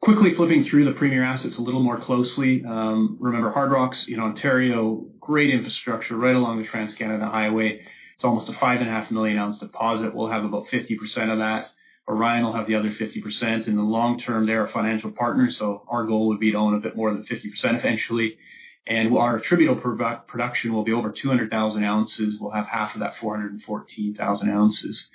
Quickly flipping through the Premier assets a little more closely. Remember Hardrock's in Ontario, great infrastructure right along the Trans-Canada Highway. It's almost a 5.5 million ounce deposit. We'll have about 50% of that. Orion will have the other 50%. In the long term, they're our financial partners, so our goal would be to own a bit more than 50% eventually. And our attributable production will be over 200,000 ounces. We'll have half of that 414,000 ounces.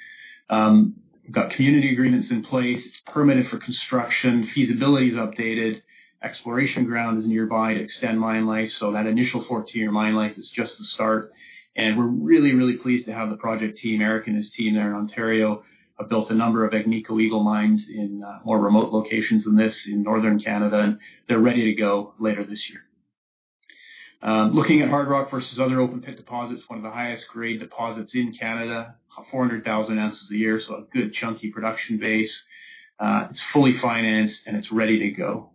Got community agreements in place, it's permitted for construction, feasibility is updated, exploration ground is nearby to extend mine life. So that initial 14-year mine life is just the start. We're really, really pleased to have the project team, Eric and his team there in Ontario, have built a number of Agnico Eagle mines in more remote locations than this in Northern Canada, and they're ready to go later this year. Looking at Hardrock versus other open pit deposits, one of the highest grade deposits in Canada, 400,000 ounces a year. A good chunky production base. It's fully financed and it's ready to go.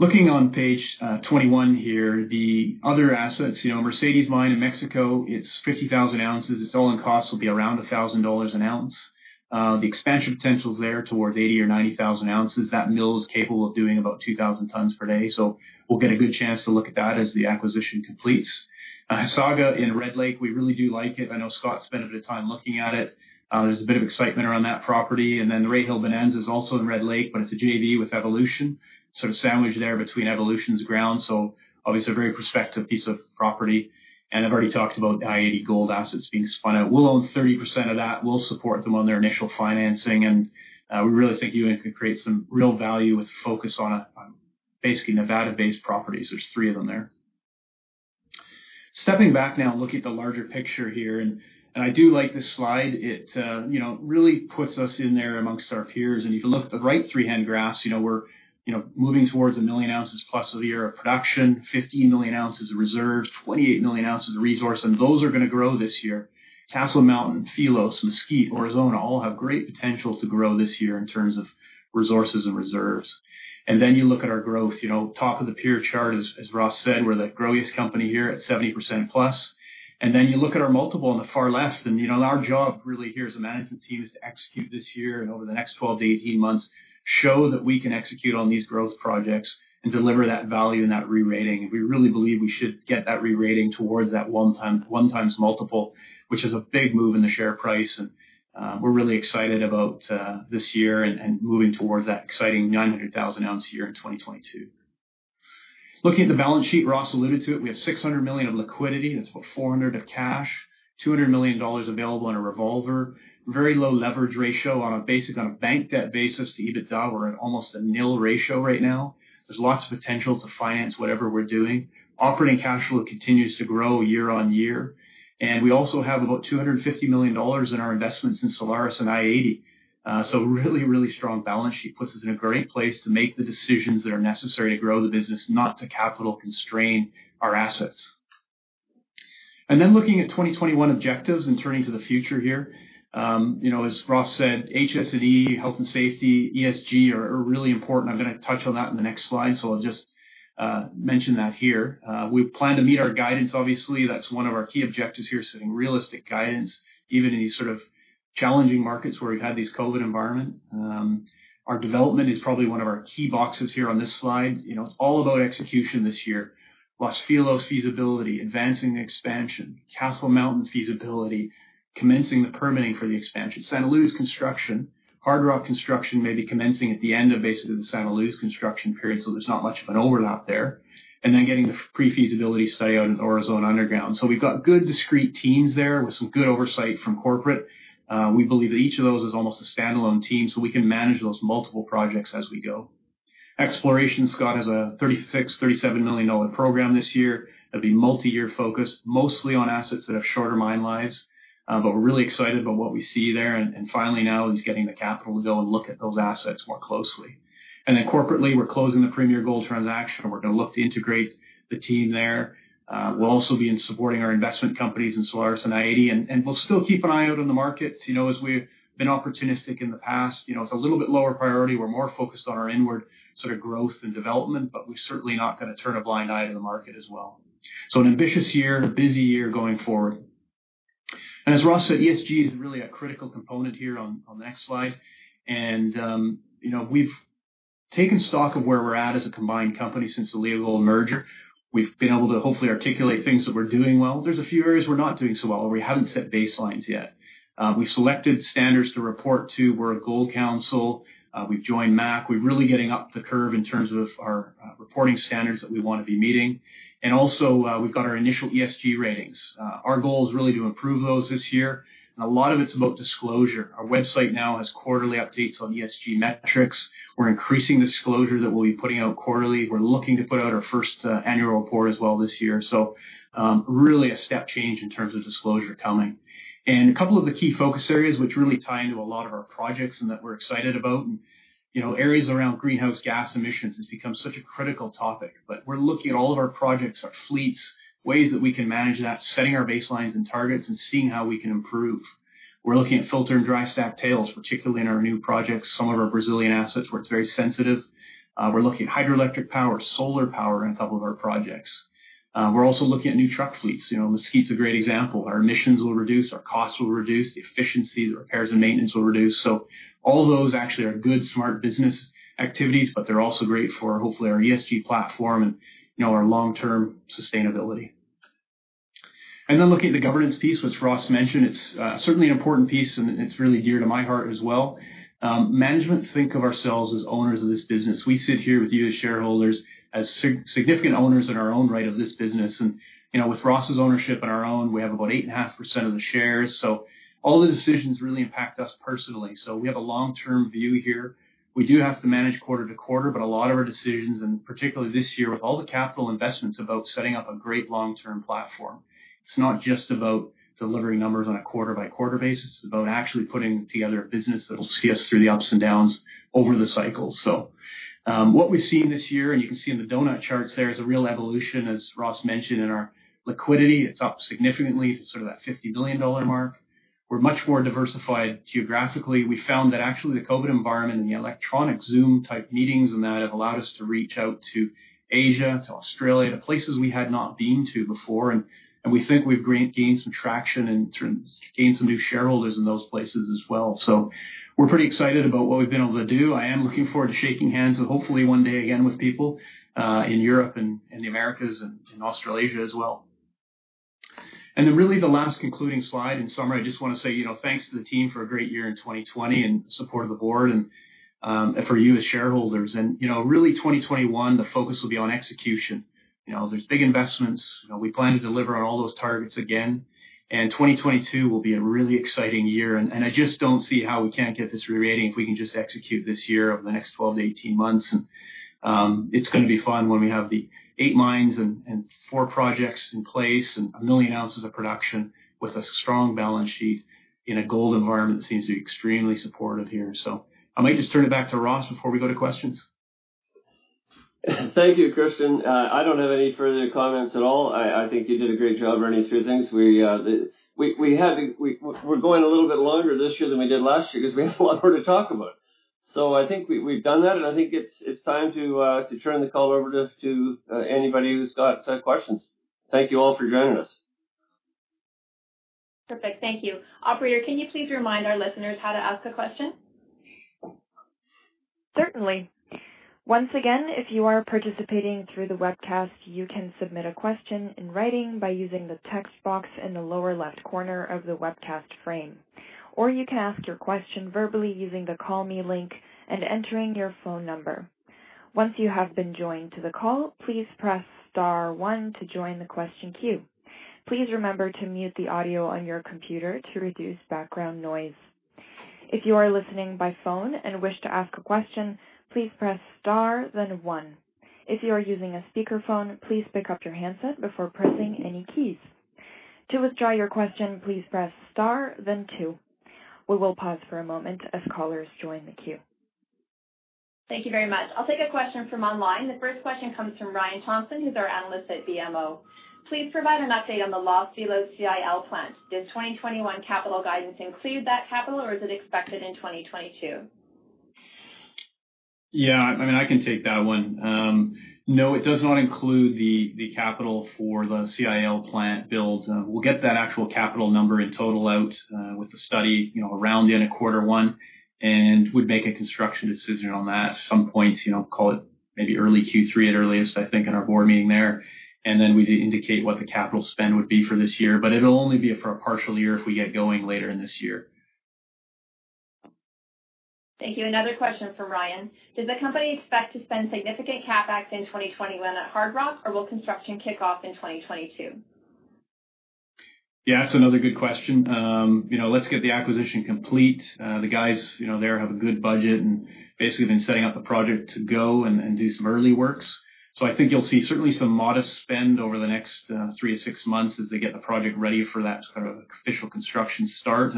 Looking on page 21 here, the other assets, Mercedes mine in Mexico, it's 50,000 ounces. Its all-in cost will be around $1,000 an ounce. The expansion potential is there towards 80,000 or 90,000 ounces. That mill is capable of doing about 2,000 tons per day. We'll get a good chance to look at that as the acquisition completes. Hasaga in Red Lake, we really do like it. I know Scott spent a bit of time looking at it. There's a bit of excitement around that property. The Rahill-Bonanza is also in Red Lake, but it's a JV with Evolution, sort of sandwiched there between Evolution's ground. Obviously, a very prospective piece of property. I've already talked about i-80 Gold assets being spun out. We'll own 30% of that. We'll support them on their initial financing, and we really think you can create some real value with focus on basically Nevada-based properties. There's three of them there. Stepping back now and looking at the larger picture here, and I do like this slide. It really puts us in there amongst our peers. If you look at the right three hand graphs, we're moving towards a million ounces plus of the year of production, 15 million ounces of reserves, 28 million ounces of resource, and those are going to grow this year. Castle Mountain, Filos, Mesquite, Aurizona all have great potential to grow this year in terms of resources and reserves. You look at our growth. Top of the peer chart, as Ross said, we're the growiest company here at 70%+. You look at our multiple on the far left, and our job really here as a management team is to execute this year and over the next 12-18 months, show that we can execute on these growth projects and deliver that value and that re-rating. We really believe we should get that re-rating towards that one times multiple, which is a big move in the share price. We're really excited about this year and moving towards that exciting 900,000 ounce year in 2022. Looking at the balance sheet, Ross alluded to it, we have $600 million of liquidity. That's about $400 of cash, $200 million available in a revolver. Very low leverage ratio on a bank debt basis to EBITDA. We're at almost a nil ratio right now. There's lots of potential to finance whatever we're doing. Operating cash flow continues to grow year on year. We also have about $250 million in our investments in Solaris and i-80. Really, really strong balance sheet puts us in a great place to make the decisions that are necessary to grow the business, not to capital constrain our assets. Looking at 2021 objectives and turning to the future here. As Ross said, HS&E, health and safety, ESG are really important. I'm going to touch on that in the next slide, so I'll just mention that here. We plan to meet our guidance, obviously. That's one of our key objectives here, setting realistic guidance, even in these sort of challenging markets where we've had these COVID environment. Our development is probably one of our key boxes here on this slide. It's all about execution this year. Los Filos feasibility, advancing the expansion, Castle Mountain feasibility, commencing the permitting for the expansion, Santa Luz construction, Hardrock construction may be commencing at the end of basically the Santa Luz construction period, so there's not much of an overlap there. Getting the pre-feasibility study out in Aurizona underground. We've got good discrete teams there with some good oversight from corporate. We believe that each of those is almost a standalone team, we can manage those multiple projects as we go. Exploration, Scott, has a $36 million, $37 million program this year. It'll be multi-year focused, mostly on assets that have shorter mine lives. We're really excited about what we see there, and finally now is getting the capital to go and look at those assets more closely. Corporately, we're closing the Premier Gold transaction, and we're going to look to integrate the team there. We'll also be supporting our investment companies in Solaris and i-80, and we'll still keep an eye out on the market, as we've been opportunistic in the past. It's a little bit lower priority. We're more focused on our inward growth and development, we're certainly not going to turn a blind eye to the market as well. An ambitious year, a busy year going forward. As Ross said, ESG is really a critical component here on the next slide. We've taken stock of where we're at as a combined company since the legal merger. We've been able to hopefully articulate things that we're doing well. There's a few areas we're not doing so well, or we haven't set baselines yet. We've selected standards to report to. We're a Gold Council. We've joined MAC. We're really getting up the curve in terms of our reporting standards that we want to be meeting. Also, we've got our initial ESG ratings. Our goal is really to improve those this year, and a lot of it's about disclosure. Our website now has quarterly updates on ESG metrics. We're increasing disclosure that we'll be putting out quarterly. We're looking to put out our first annual report as well this year. Really a step change in terms of disclosure coming. A couple of the key focus areas which really tie into a lot of our projects and that we're excited about, and areas around greenhouse gas emissions has become such a critical topic. We're looking at all of our projects, our fleets, ways that we can manage that, setting our baselines and targets, and seeing how we can improve. We're looking at filter and dry stack tails, particularly in our new projects, some of our Brazilian assets where it's very sensitive. We're looking at hydroelectric power, solar power in a couple of our projects. We're also looking at new truck fleets. Mesquite's a great example. Our emissions will reduce, our costs will reduce, the efficiency, the repairs and maintenance will reduce. All those actually are good, smart business activities, but they're also great for hopefully our ESG platform and our long-term sustainability. Then looking at the governance piece, which Ross mentioned, it's certainly an important piece, and it's really dear to my heart as well. Management think of ourselves as owners of this business. We sit here with you as shareholders, as significant owners in our own right of this business. With Ross's ownership and our own, we have about 8.5% of the shares. All the decisions really impact us personally. We have a long-term view here. We do have to manage quarter to quarter, but a lot of our decisions, and particularly this year with all the capital investments, about setting up a great long-term platform. It's not just about delivering numbers on a quarter-by-quarter basis. It's about actually putting together a business that'll see us through the ups and downs over the cycle. What we've seen this year, and you can see in the doughnut charts there, is a real evolution, as Ross mentioned, in our liquidity. It's up significantly to sort of that $50 billion mark. We're much more diversified geographically. We found that actually the COVID environment and the electronic Zoom-type meetings and that have allowed us to reach out to Asia, to Australia, to places we had not been to before. We think we've gained some traction and gained some new shareholders in those places as well. We're pretty excited about what we've been able to do. I am looking forward to shaking hands hopefully one day again with people, in Europe and the Americas and in Australasia as well. Really the last concluding slide. In summary, I just want to say thanks to the team for a great year in 2020 in support of the board and for you as shareholders. Really 2021, the focus will be on execution. There's big investments. We plan to deliver on all those targets again. 2022 will be a really exciting year, and I just don't see how we can't get this rerating if we can just execute this year over the next 12 to 18 months. It's going to be fun when we have the eight mines and four projects in place and a million ounces of production with a strong balance sheet in a gold environment that seems to be extremely supportive here. I might just turn it back to Ross before we go to questions. Thank you, Christian. I don't have any further comments at all. I think you did a great job running through things. We're going a little bit longer this year than we did last year because we have a lot more to talk about. I think we've done that, and I think it's time to turn the call over to anybody who's got questions. Thank you all for joining us. Perfect. Thank you. Operator, can you please remind our listeners how to ask a question? Certainly. Once again, if you are participating through the webcast, you can submit a question in writing by using the text box in the lower left corner of the webcast frame. Or you can ask your question verbally using the Call Me link and entering your phone number. Once you have been joined to the call, please press star one to join the question queue. Please remember to mute the audio on your computer to reduce background noise. If you are listening by phone and wish to ask a question, please press star, then one. If you are using a speakerphone, please pick up your handset before pressing any keys. To withdraw your question, please press star, then two. We will pause for a moment as callers join the queue. Thank you very much. I'll take a question from online. The first question comes from Ryan Thompson, who's our analyst at BMO. Please provide an update on the Los Filos CIL plant. Does 2021 capital guidance include that capital, or is it expected in 2022? I can take that one. No, it does not include the capital for the CIL plant build. We'll get that actual capital number in total out, with the study around the end of Q1, we'd make a construction decision on that at some point, call it maybe early Q3 at earliest, I think, in our board meeting there. We'd indicate what the capital spend would be for this year. It'll only be for a partial year if we get going later in this year. Thank you. Another question from Ryan. Does the company expect to spend significant CapEx in 2021 at Hardrock, or will construction kick off in 2022? Yeah, that's another good question. Let's get the acquisition complete. The guys there have a good budget and basically have been setting up the project to go and do some early works. I think you'll see certainly some modest spend over the next three to six months as they get the project ready for that official construction start.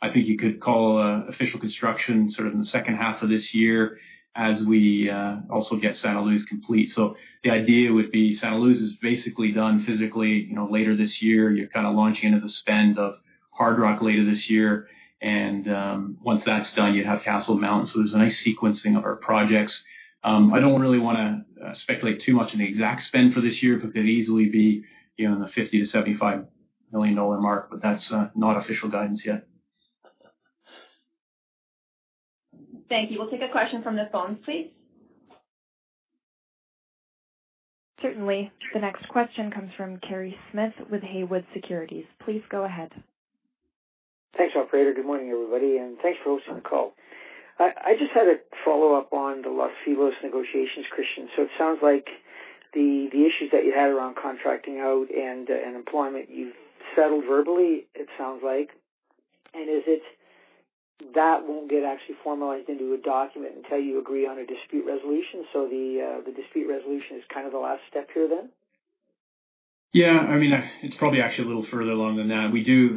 I think you could call official construction in the second half of this year as we also get Santa Luz complete. The idea would be Santa Luz is basically done physically later this year. You're launching into the spend of Hardrock later this year, and once that's done, you'd have Castle Mountain. There's a nice sequencing of our projects. I don't really want to speculate too much on the exact spend for this year, but could easily be in the $50 million-$75 million mark, but that's not official guidance yet. Thank you. We'll take a question from the phones, please. Certainly. The next question comes from Kerry Smith with Haywood Securities. Please go ahead. Thanks, operator. Good morning, everybody, and thanks for hosting the call. I just had a follow-up on the Los Filos negotiations, Christian. It sounds like the issues that you had around contracting out and employment, you've settled verbally, it sounds like. Is it that won't get actually formalized into a document until you agree on a dispute resolution? The dispute resolution is the last step here then? Yeah. It's probably actually a little further along than that.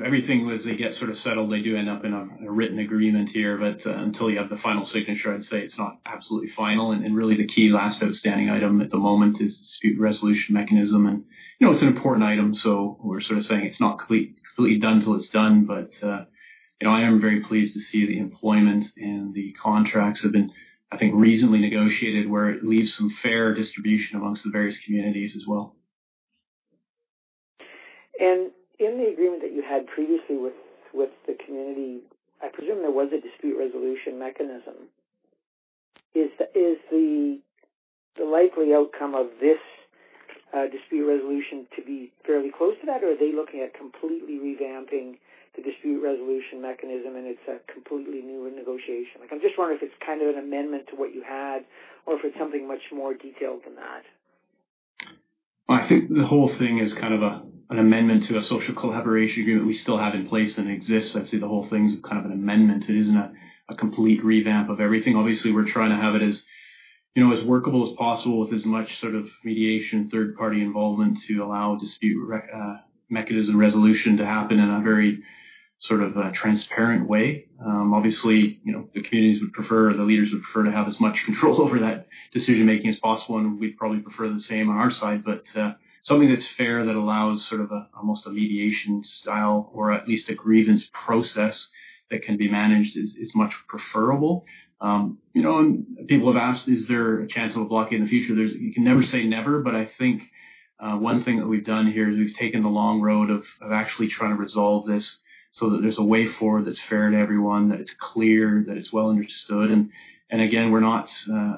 Everything as they get settled, they do end up in a written agreement here. Until you have the final signature, I'd say it's not absolutely final. Really the key last outstanding item at the moment is dispute resolution mechanism. It's an important item, so we're saying it's not completely done till it's done. I am very pleased to see the employment and the contracts have been, I think, reasonably negotiated, where it leaves some fair distribution amongst the various communities as well. In the agreement that you had previously with the community, I presume there was a dispute resolution mechanism. Is the likely outcome of this dispute resolution to be fairly close to that? Are they looking at completely revamping the dispute resolution mechanism and it's a completely new negotiation? I'm just wondering if it's an amendment to what you had or if it's something much more detailed than that. I think the whole thing is an amendment to a social collaboration agreement we still have in place and exists. I'd say the whole thing's an amendment. It isn't a complete revamp of everything. Obviously, we're trying to have it as workable as possible with as much mediation, third-party involvement to allow a dispute mechanism resolution to happen in a very transparent way. Obviously, the communities would prefer, the leaders would prefer to have as much control over that decision-making as possible, and we'd probably prefer the same on our side. Something that's fair, that allows almost a mediation style or at least a grievance process that can be managed is much preferable. People have asked, is there a chance of a blockade in the future? You can never say never, I think one thing that we've done here is we've taken the long road of actually trying to resolve this so that there's a way forward that's fair to everyone, that it's clear, that it's well understood. Again, we're not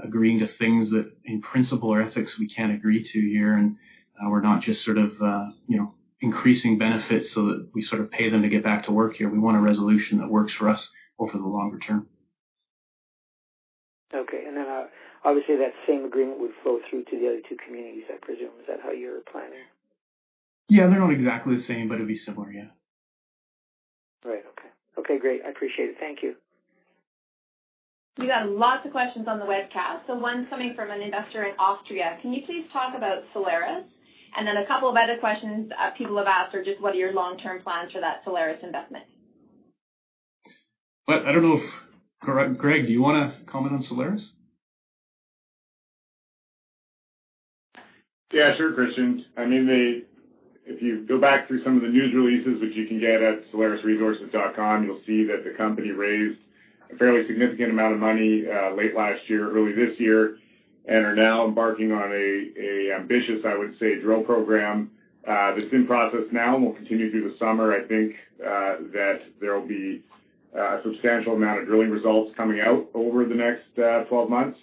agreeing to things that in principle or ethics we can't agree to here, and we're not just increasing benefits so that we pay them to get back to work here. We want a resolution that works for us over the longer term. Okay. Obviously that same agreement would flow through to the other two communities, I presume. Is that how you're planning? Yeah, they're not exactly the same, but it'd be similar. Yeah. Right. Okay. Okay, great. I appreciate it. Thank you. We got lots of questions on the webcast. One's coming from an investor in Austria. Can you please talk about Solaris? A couple of other questions people have asked are just what are your long-term plans for that Solaris investment? I don't know if, Greg, do you want to comment on Solaris? Sure, Christian. If you go back through some of the news releases, which you can get at solarisresources.com, you'll see that the company raised a fairly significant amount of money late last year, early this year, and are now embarking on an ambitious, I would say, drill program. That's been processed now and will continue through the summer. I think that there will be a substantial amount of drilling results coming out over the next 12 months.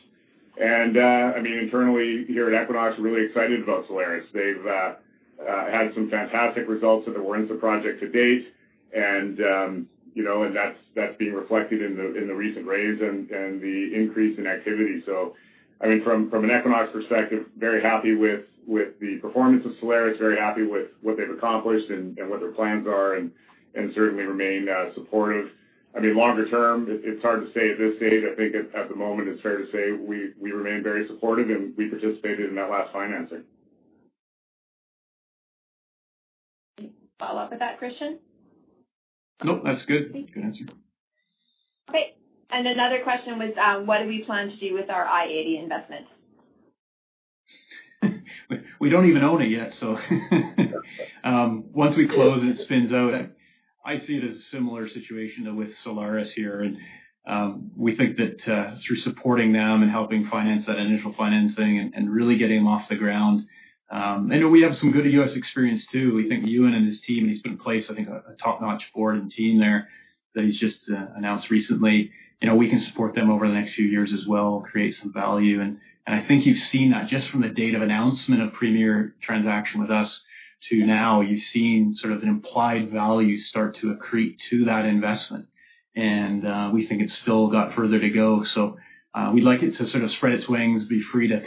Internally here at Equinox, we're really excited about Solaris. They've had some fantastic results that there were in the project to date, and that's being reflected in the recent raise and the increase in activity. From an Equinox perspective, very happy with the performance of Solaris, very happy with what they've accomplished and what their plans are, and certainly remain supportive. Longer term, it's hard to say at this stage. I think at the moment it's fair to say we remain very supportive and we participated in that last financing. Follow up with that, Christian? Nope, that's good. Good answer. Okay. Another question was, what do we plan to do with our i-80 investment? We don't even own it yet, so once we close and it spins out, I see it as a similar situation with Solaris here. We think that through supporting them and helping finance that initial financing and really getting them off the ground, I know we have some good U.S. experience, too. We think Ewan and his team, he's put in place, I think, a top-notch board and team there that he's just announced recently. We can support them over the next few years as well, create some value. I think you've seen that just from the date of announcement of Premier transaction with us to now, you've seen an implied value start to accrete to that investment, and we think it's still got further to go. We'd like it to spread its wings, be free to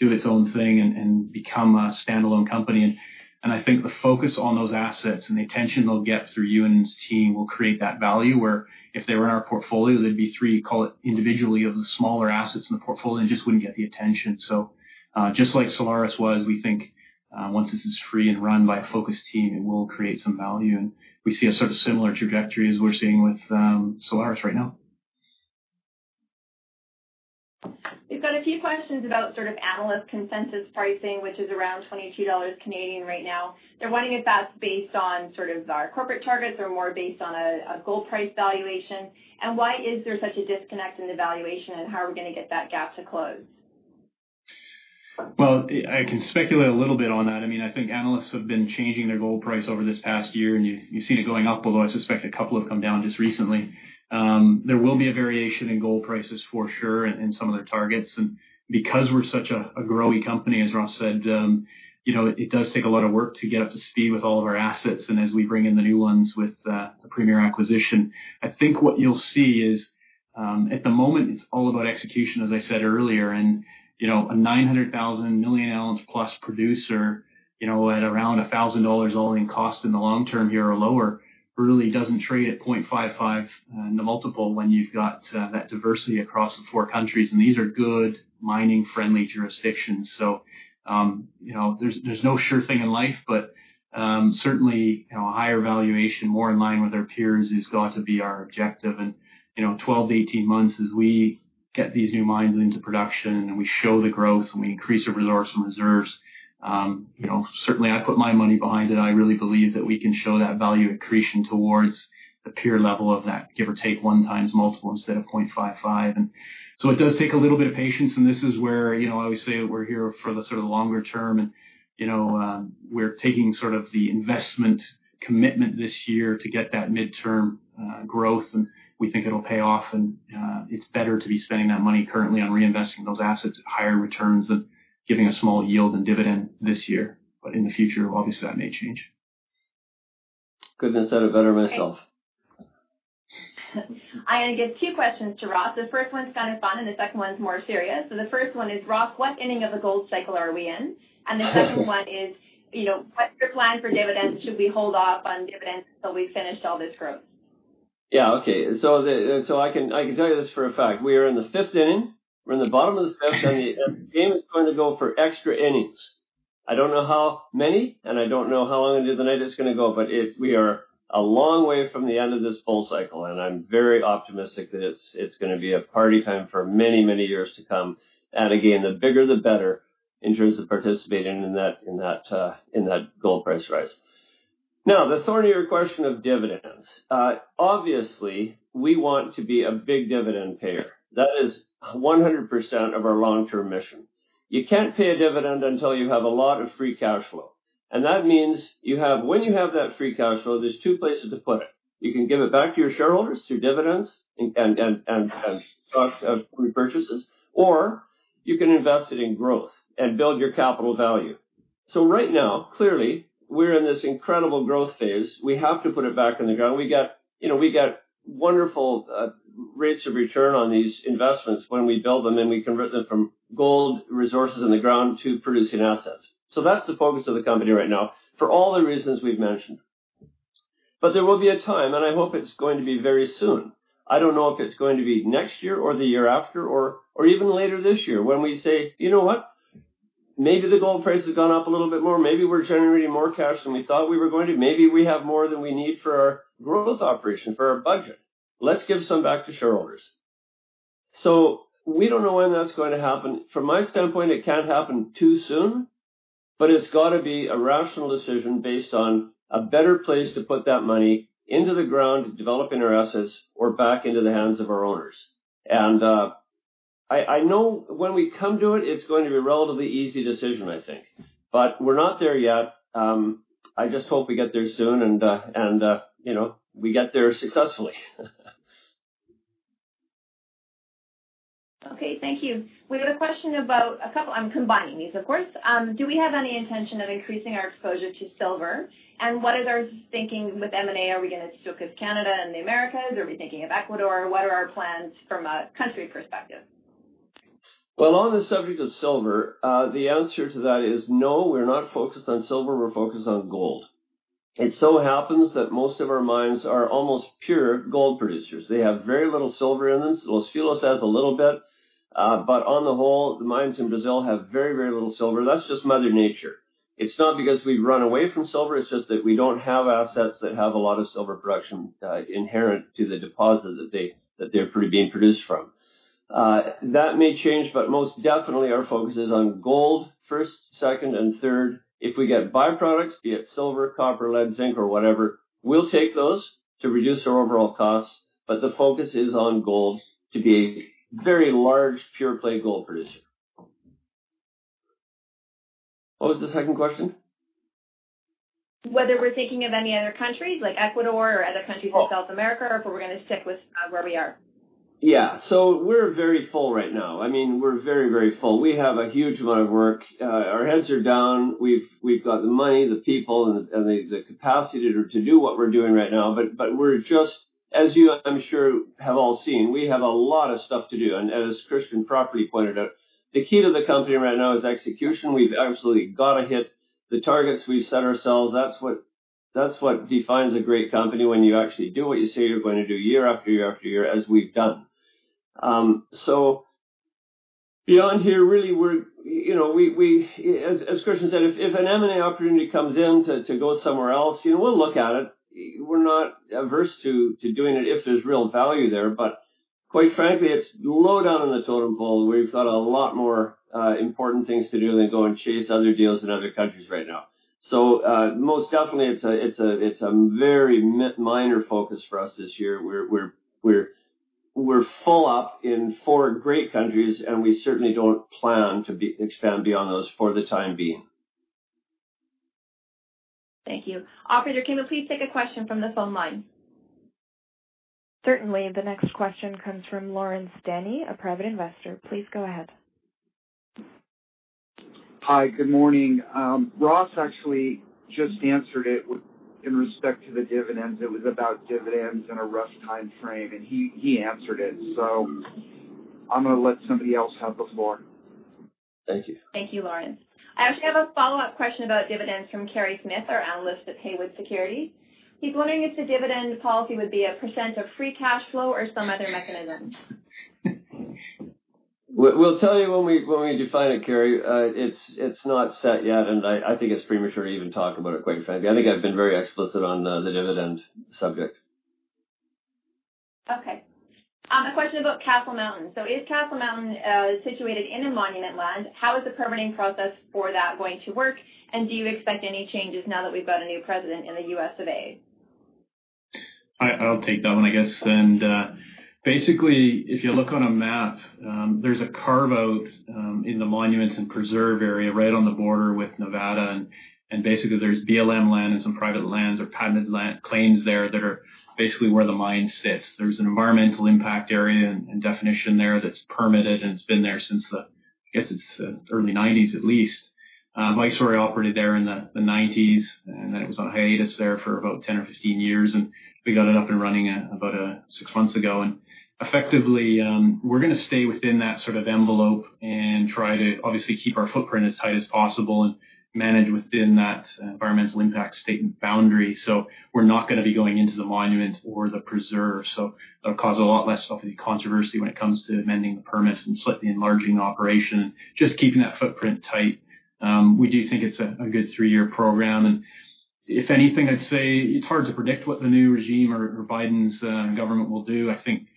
do its own thing and become a standalone company. I think the focus on those assets and the attention they'll get through Ewan and this team will create that value where if they were in our portfolio, they'd be three, call it individually, of the smaller assets in the portfolio and just wouldn't get the attention. Just like Solaris was, we think once this is free and run by a focus team, it will create some value. We see a similar trajectory as we're seeing with Solaris right now. We've got a few questions about analyst consensus pricing, which is around 22 Canadian dollars right now. They're wondering if that's based on our corporate targets or more based on a gold price valuation, and why is there such a disconnect in the valuation, and how are we going to get that gap to close? Well, I can speculate a little bit on that. I think analysts have been changing their gold price over this past year, and you've seen it going up, although I suspect a couple have come down just recently. There will be a variation in gold prices for sure, and some of their targets. Because we're such a grow-y company, as Ross said, it does take a lot of work to get up to speed with all of our assets and as we bring in the new ones with the Premier acquisition. I think what you'll see is at the moment, it's all about execution, as I said earlier. A 900,000 million ounce plus producer at around $1,000 all-in cost in the long term here or lower really doesn't trade at 0.55 in the multiple when you've got that diversity across the four countries. These are good mining-friendly jurisdictions. There's no sure thing in life, but certainly, a higher valuation more in line with our peers has got to be our objective. 12-18 months as we get these new mines into production, and we show the growth, and we increase the resource and reserves. Certainly, I put my money behind it. I really believe that we can show that value accretion towards the peer level of that give or take 1x multiple instead of 0.55. It does take a little bit of patience, and this is where I always say we're here for the longer term, and we're taking the investment commitment this year to get that midterm growth, and we think it'll pay off. It's better to be spending that money currently on reinvesting those assets at higher returns than giving a small yield and dividend this year. In the future, obviously, that may change. Couldn't have said it better myself. Okay. I'm going to give two questions to Ross. The first one's kind of fun, and the second one's more serious. The first one is, Ross, what inning of the gold cycle are we in? The second one is, what's your plan for dividends? Should we hold off on dividends until we've finished all this growth? Yeah. Okay. I can tell you this for a fact. We are in the fifth inning. We're in the bottom of the fifth, and the game is going to go for extra innings. I don't know how many, and I don't know how long into the night it's going to go, but we are a long way from the end of this bull cycle, and I'm very optimistic that it's going to be a party time for many, many years to come. Again, the bigger the better in terms of participating in that gold price rise. Now, the thornier question of dividends. Obviously, we want to be a big dividend payer. That is 100% of our long-term mission. You can't pay a dividend until you have a lot of free cash flow. That means when you have that free cash flow, there's two places to put it. You can give it back to your shareholders through dividends and stock repurchases, or you can invest it in growth and build your capital value. Right now, clearly, we're in this incredible growth phase. We have to put it back in the ground. We got wonderful rates of return on these investments when we build them, and we convert them from gold resources in the ground to producing assets. That's the focus of the company right now for all the reasons we've mentioned. There will be a time, and I hope it's going to be very soon. I don't know if it's going to be next year or the year after or even later this year when we say, "You know what? Maybe the gold price has gone up a little bit more. Maybe we're generating more cash than we thought we were going to. Maybe we have more than we need for our growth operation, for our budget. Let's give some back to shareholders. We don't know when that's going to happen. From my standpoint, it can't happen too soon, but it's got to be a rational decision based on a better place to put that money into the ground to developing our assets or back into the hands of our owners. I know when we come to it's going to be a relatively easy decision, I think. We're not there yet. I just hope we get there soon, and we get there successfully. Okay. Thank you. We got a question about a couple I'm combining these, of course. Do we have any intention of increasing our exposure to silver? What is our thinking with M&A? Are we going to stick with Canada and the Americas, or are we thinking of Ecuador? What are our plans from a country perspective? Well, on the subject of silver, the answer to that is no, we're not focused on silver. We're focused on gold. It so happens that most of our mines are almost pure gold producers. They have very little silver in them. Los Filos has a little bit. On the whole, the mines in Brazil have very, very little silver. That's just mother nature. It's not because we've run away from silver, it's just that we don't have assets that have a lot of silver production inherent to the deposit that they're being produced from. That may change, but most definitely our focus is on gold, first, second, and third. If we get byproducts, be it silver, copper, lead, zinc, or whatever, we'll take those to reduce our overall costs. The focus is on gold to be a very large pure play gold producer. What was the second question? Whether we're thinking of any other countries like Ecuador or other countries in South America, or if we're going to stick with where we are. Yeah. We're very full right now. We're very full. We have a huge amount of work. Our heads are down. We've got the money, the people, and the capacity to do what we're doing right now. We're just, as you, I'm sure, have all seen, we have a lot of stuff to do. As Christian properly pointed out, the key to the company right now is execution. We've absolutely got to hit the targets we've set ourselves. That's what defines a great company, when you actually do what you say you're going to do year after year after year, as we've done. Beyond here, really, as Christian said, if an M&A opportunity comes in to go somewhere else, we'll look at it. We're not averse to doing it if there's real value there. Quite frankly, it's low down on the totem pole. We've got a lot more important things to do than go and chase other deals in other countries right now. Most definitely, it's a very minor focus for us this year. We're full up in four great countries, and we certainly don't plan to expand beyond those for the time being. Thank you. Operator, can you please take a question from the phone line? Certainly. The next question comes from Lawrence Denney, a private investor. Please go ahead. Hi. Good morning. Ross actually just answered it with respect to the dividends. It was about dividends and a rough timeframe, and he answered it. I'm going to let somebody else have the floor. Thank you. Thank you, Lawrence. I actually have a follow-up question about dividends from Kerry Smith, our analyst at Haywood Securities. He's wondering if the dividend policy would be a percentage of free cash flow or some other mechanism. We'll tell you when we define it, Kerry. It's not set yet. I think it's premature to even talk about it, quite frankly. I think I've been very explicit on the dividend subject. Okay. A question about Castle Mountain. Is Castle Mountain situated in a monument land? How is the permitting process for that going to work? Do you expect any changes now that we've got a new president in the U.S. of A? I'll take that one, I guess. Basically, if you look on a map, there's a carve-out in the monuments and preserve area right on the border with Nevada, and basically there's BLM land and some private lands or patented claims there that are basically where the mine sits. There's an environmental impact area and definition there that's permitted, and it's been there since, I guess, the early 1990s at least. Mine Sore operated there in the 1990s, and then it was on hiatus there for about 10 or 15 years, and we got it up and running about six months ago. Effectively, we're going to stay within that envelope and try to obviously keep our footprint as tight as possible and manage within that environmental impact statement boundary. We're not going to be going into the monument or the preserve. That'll cause a lot less controversy when it comes to amending the permits and slightly enlarging the operation. Just keeping that footprint tight. We do think it's a good three-year program, and if anything, I'd say it's hard to predict what the new regime or Biden's government will do. I think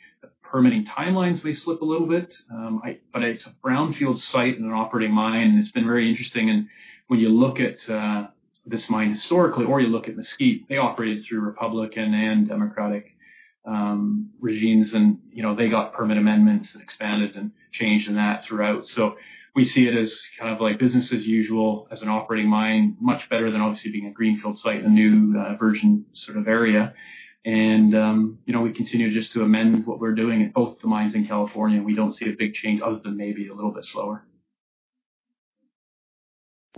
permitting timelines may slip a little bit. It's a brownfield site and an operating mine, and it's been very interesting. When you look at this mine historically or you look at Mesquite, they operated through Republican and Democratic regimes, and they got permit amendments and expanded and changed and that throughout. We see it as business as usual, as an operating mine, much better than obviously being a greenfield site in a new virgin area. We continue just to amend what we're doing at both the mines in California. We don't see a big change other than maybe a little bit slower.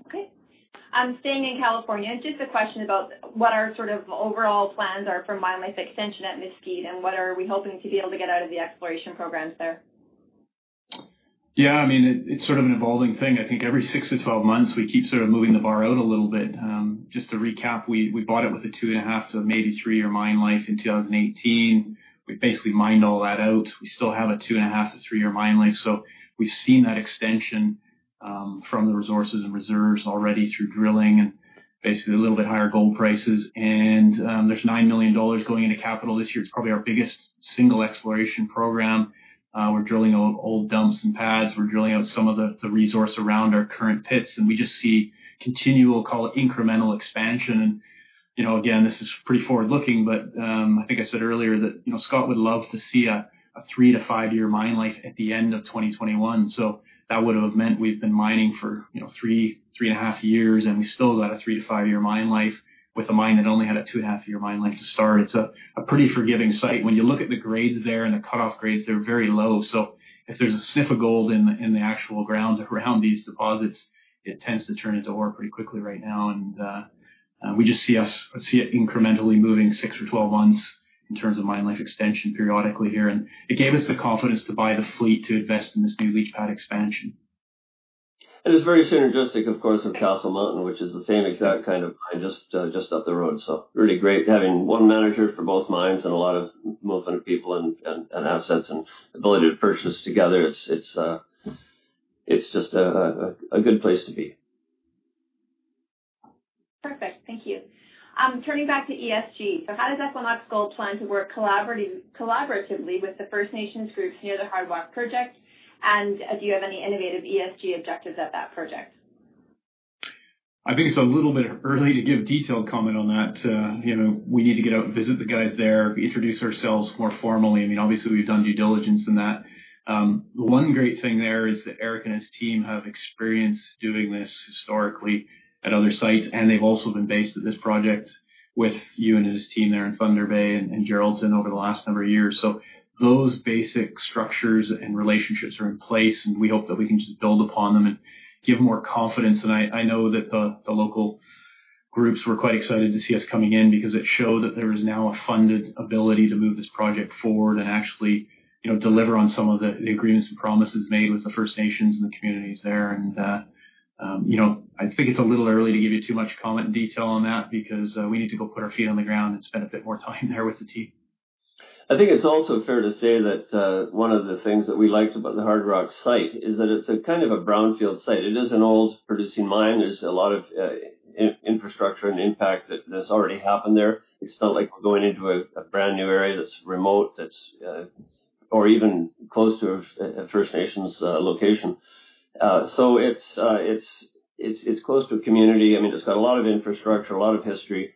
Okay. Staying in California, just a question about what our overall plans are for mine life extension at Mesquite and what are we hoping to be able to get out of the exploration programs there? Yeah, it's an evolving thing. I think every six to 12 months, we keep moving the bar out a little bit. Just to recap, we bought it with a two and a half to maybe three-year mine life in 2018. We've basically mined all that out. We still have a two and a half to three-year mine life. We've seen that extension from the resources and reserves already through drilling and basically a little bit higher gold prices. There's $9 million going into capital this year. It's probably our biggest single exploration program. We're drilling old dumps and pads. We're drilling out some of the resource around our current pits, and we just see continual, call it incremental expansion. Again, this is pretty forward-looking, but I think I said earlier that Scott would love to see a three to five-year mine life at the end of 2021. That would have meant we've been mining for three and a half years, and we still got a three to five-year mine life with a mine that only had a two and a half year mine life to start. It's a pretty forgiving site. When you look at the grades there and the cutoff grades, they're very low. If there's a sniff of gold in the actual ground around these deposits, it tends to turn into ore pretty quickly right now. We just see it incrementally moving six or 12 months in terms of mine life extension periodically here. It gave us the confidence to buy the fleet to invest in this new leach pad expansion. It is very synergistic, of course, with Castle Mountain, which is the same exact kind of mine, just up the road. Really great having one manager for both mines and a lot of movement of people and assets and ability to purchase together. It's just a good place to be. Perfect. Thank you. Turning back to ESG. How does Equinox Gold plan to work collaboratively with the First Nations groups near the Hardrock project? Do you have any innovative ESG objectives at that project? I think it's a little bit early to give detailed comment on that. We need to get out and visit the guys there, introduce ourselves more formally. Obviously, we've done due diligence in that. The one great thing there is that Eric and his team have experience doing this historically at other sites, and they've also been based at this project with Ewan and his team there in Thunder Bay and Geraldton over the last number of years. Those basic structures and relationships are in place, and we hope that we can just build upon them and give more confidence. I know that the local groups were quite excited to see us coming in because it showed that there is now a funded ability to move this project forward and actually deliver on some of the agreements and promises made with the First Nations and the communities there. I think it's a little early to give you too much comment and detail on that because we need to go put our feet on the ground and spend a bit more time there with the team. I think it's also fair to say that one of the things that we liked about the Hardrock site is that it's a kind of a brownfield site. It is an old producing mine. There's a lot of infrastructure and impact that has already happened there. It's not like we're going into a brand new area that's remote or even close to a First Nations location. It's close to a community. It's got a lot of infrastructure, a lot of history.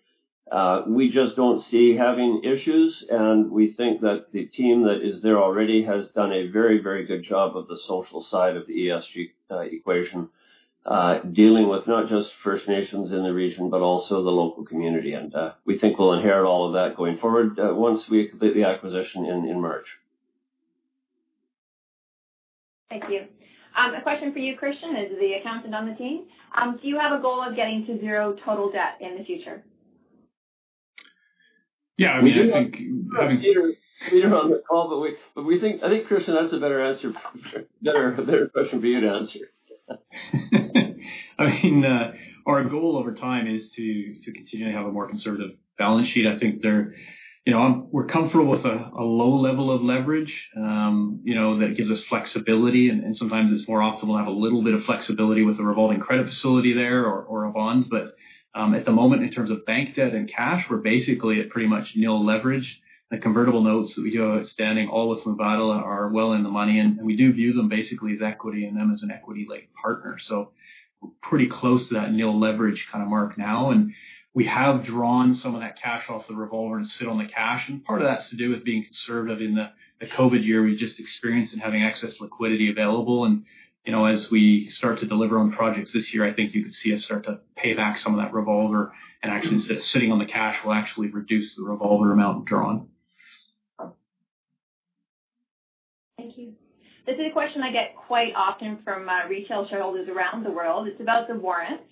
We just don't see having issues, and we think that the team that is there already has done a very good job of the social side of the ESG equation, dealing with not just First Nations in the region, but also the local community. We think we'll inherit all of that going forward once we complete the acquisition in March. Thank you. A question for you, Christian, as the accountant on the team. Do you have a goal of getting to zero total debt in the future? Yeah. Peter on the call, but I think, Christian, that's a better question for you to answer. Our goal over time is to continue to have a more conservative balance sheet. I think we're comfortable with a low level of leverage that gives us flexibility. Sometimes it's more optimal to have a little bit of flexibility with a revolving credit facility there or a bond. At the moment, in terms of bank debt and cash, we're basically at pretty much nil leverage. The convertible notes that we have outstanding, all with Envida, are well in the money. We do view them basically as equity and them as an equity-like partner. We're pretty close to that nil leverage mark now. We have drawn some of that cash off the revolver and sit on the cash. Part of that's to do with being conservative in the COVID year we've just experienced and having excess liquidity available. As we start to deliver on projects this year, I think you could see us start to pay back some of that revolver and actually sitting on the cash will actually reduce the revolver amount drawn. Thank you. This is a question I get quite often from retail shareholders around the world. It's about the warrants.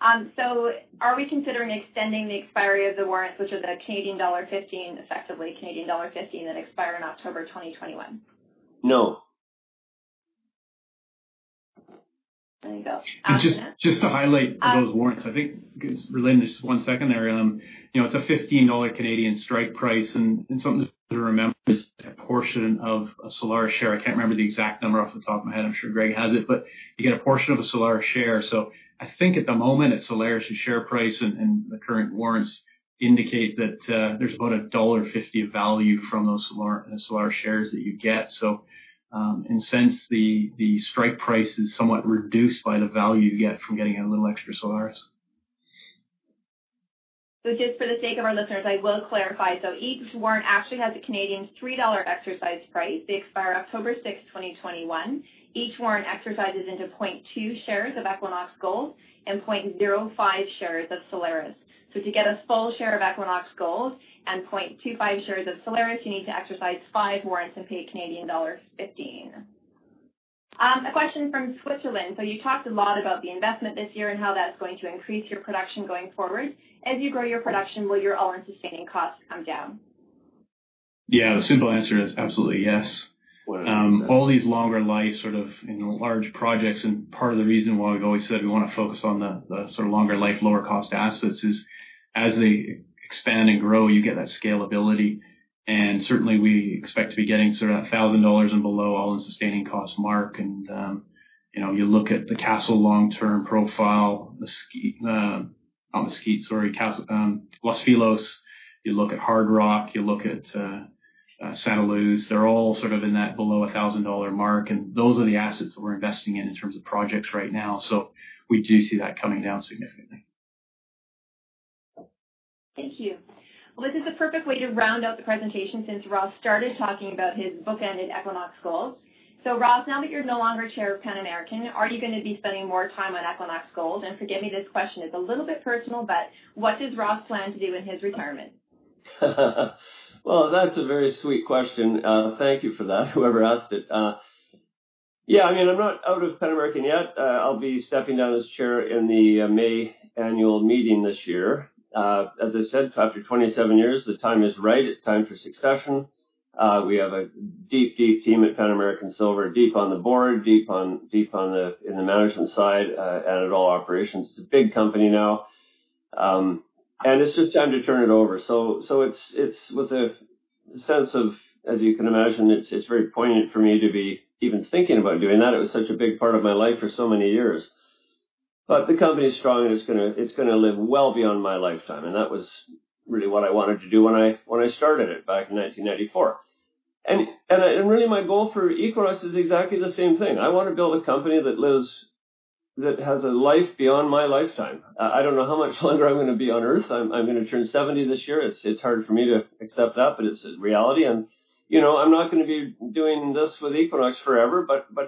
Are we considering extending the expiry of the warrants, which are the effectively Canadian dollar 15 that expire in October 2021? No. There you go. Just to highlight those warrants, I think because relating to this one second there, it's a CAD$15 strike price, and something to remember is a portion of a Solaris share. I can't remember the exact number off the top of my head. I'm sure Greg has it, but you get a portion of a Solaris share. I think at the moment, at Solaris' share price and the current warrants indicate that there's about a dollar 1.50 of value from those Solaris shares that you get. In a sense, the strike price is somewhat reduced by the value you get from getting a little extra Solaris. Just for the sake of our listeners, I will clarify. Each warrant actually has a 3 Canadian dollars exercise price. They expire October 6th, 2021. Each warrant exercises into 0.2 shares of Equinox Gold and 0.05 shares of Solaris. To get a full share of Equinox Gold and 0.25 shares of Solaris, you need to exercise five warrants and pay Canadian dollar 15. A question from Switzerland. You talked a lot about the investment this year and how that's going to increase your production going forward. As you grow your production, will your all-in sustaining costs come down? Yeah. The simple answer is absolutely yes. All these longer life, sort of large projects and part of the reason why we've always said we want to focus on the sort of longer life, lower cost assets is as they expand and grow, you get that scalability. Certainly, we expect to be getting sort of that $1,000 and below all-in sustaining cost mark and you look at the Castle long-term profile, Los Filos, you look at Hardrock, you look at Santa Luz, they're all sort of in that below $1,000 mark, and those are the assets that we're investing in in terms of projects right now. We do see that coming down significantly. Thank you. Well, this is the perfect way to round out the presentation since Ross started talking about his bookend in Equinox Gold. Ross, now that you're no longer chair of Pan American, are you going to be spending more time on Equinox Gold? Forgive me, this question is a little bit personal, but what does Ross plan to do in his retirement? Well, that's a very sweet question. Thank you for that, whoever asked it. Yeah, I'm not out of Pan American yet. I'll be stepping down as chair in the May annual meeting this year. As I said, after 27 years, the time is right. It's time for succession. We have a deep team at Pan American Silver, deep on the board, deep in the management side, and at all operations. It's a big company now. It's just time to turn it over. It's with a sense of, as you can imagine, it's very poignant for me to be even thinking about doing that. It was such a big part of my life for so many years. The company is strong, and it's going to live well beyond my lifetime, and that was really what I wanted to do when I started it back in 1994. Really my goal for Equinox is exactly the same thing. I want to build a company that has a life beyond my lifetime. I don't know how much longer I'm going to be on Earth. I'm going to turn 70 this year. It's hard for me to accept that, but it's a reality. I'm not going to be doing this with Equinox forever.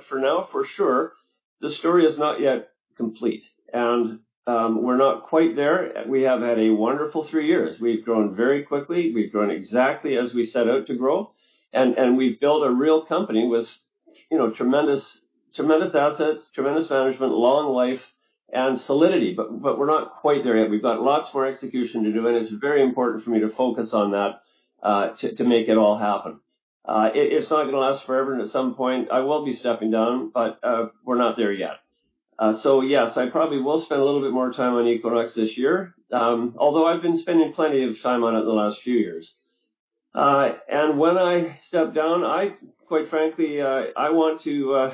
For now, for sure, the story is not yet complete. We're not quite there. We have had a wonderful three years. We've grown very quickly. We've grown exactly as we set out to grow. We've built a real company with tremendous assets, tremendous management, long life, and solidity. We're not quite there yet. We've got lots more execution to do, and it's very important for me to focus on that to make it all happen. It's not going to last forever, and at some point, I will be stepping down, but we're not there yet. Yes, I probably will spend a little bit more time on Equinox this year, although I've been spending plenty of time on it the last few years. When I step down, I quite frankly, I want to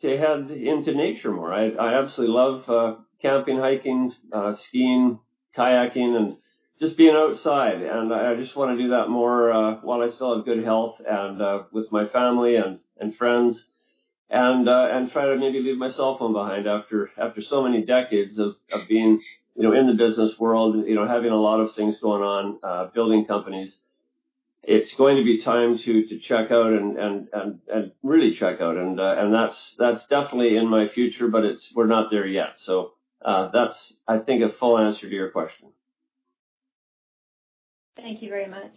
head into nature more. I absolutely love camping, hiking, skiing, kayaking, and just being outside. I just want to do that more while I still have good health and with my family and friends and try to maybe leave my cellphone behind after so many decades of being in the business world, having a lot of things going on, building companies. It's going to be time to check out and really check out. That's definitely in my future, but we're not there yet. That's, I think, a full answer to your question. Thank you very much.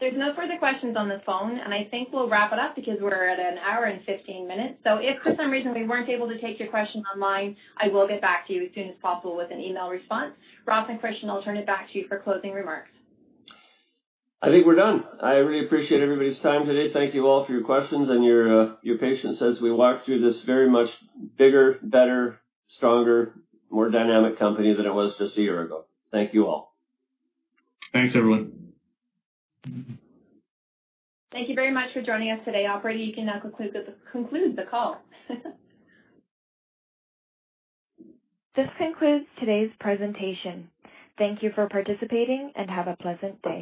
There's no further questions on the phone. I think we'll wrap it up because we're at an hour and 15 minutes. If for some reason we weren't able to take your question online, I will get back to you as soon as possible with an email response. Ross and Christian, I'll turn it back to you for closing remarks. I think we're done. I really appreciate everybody's time today. Thank you all for your questions and your patience as we walk through this very much bigger, better, stronger, more dynamic company than it was just a year ago. Thank you all. Thanks, everyone. Thank you very much for joining us today. Operator, you can now conclude the call. This concludes today's presentation. Thank you for participating, and have a pleasant day.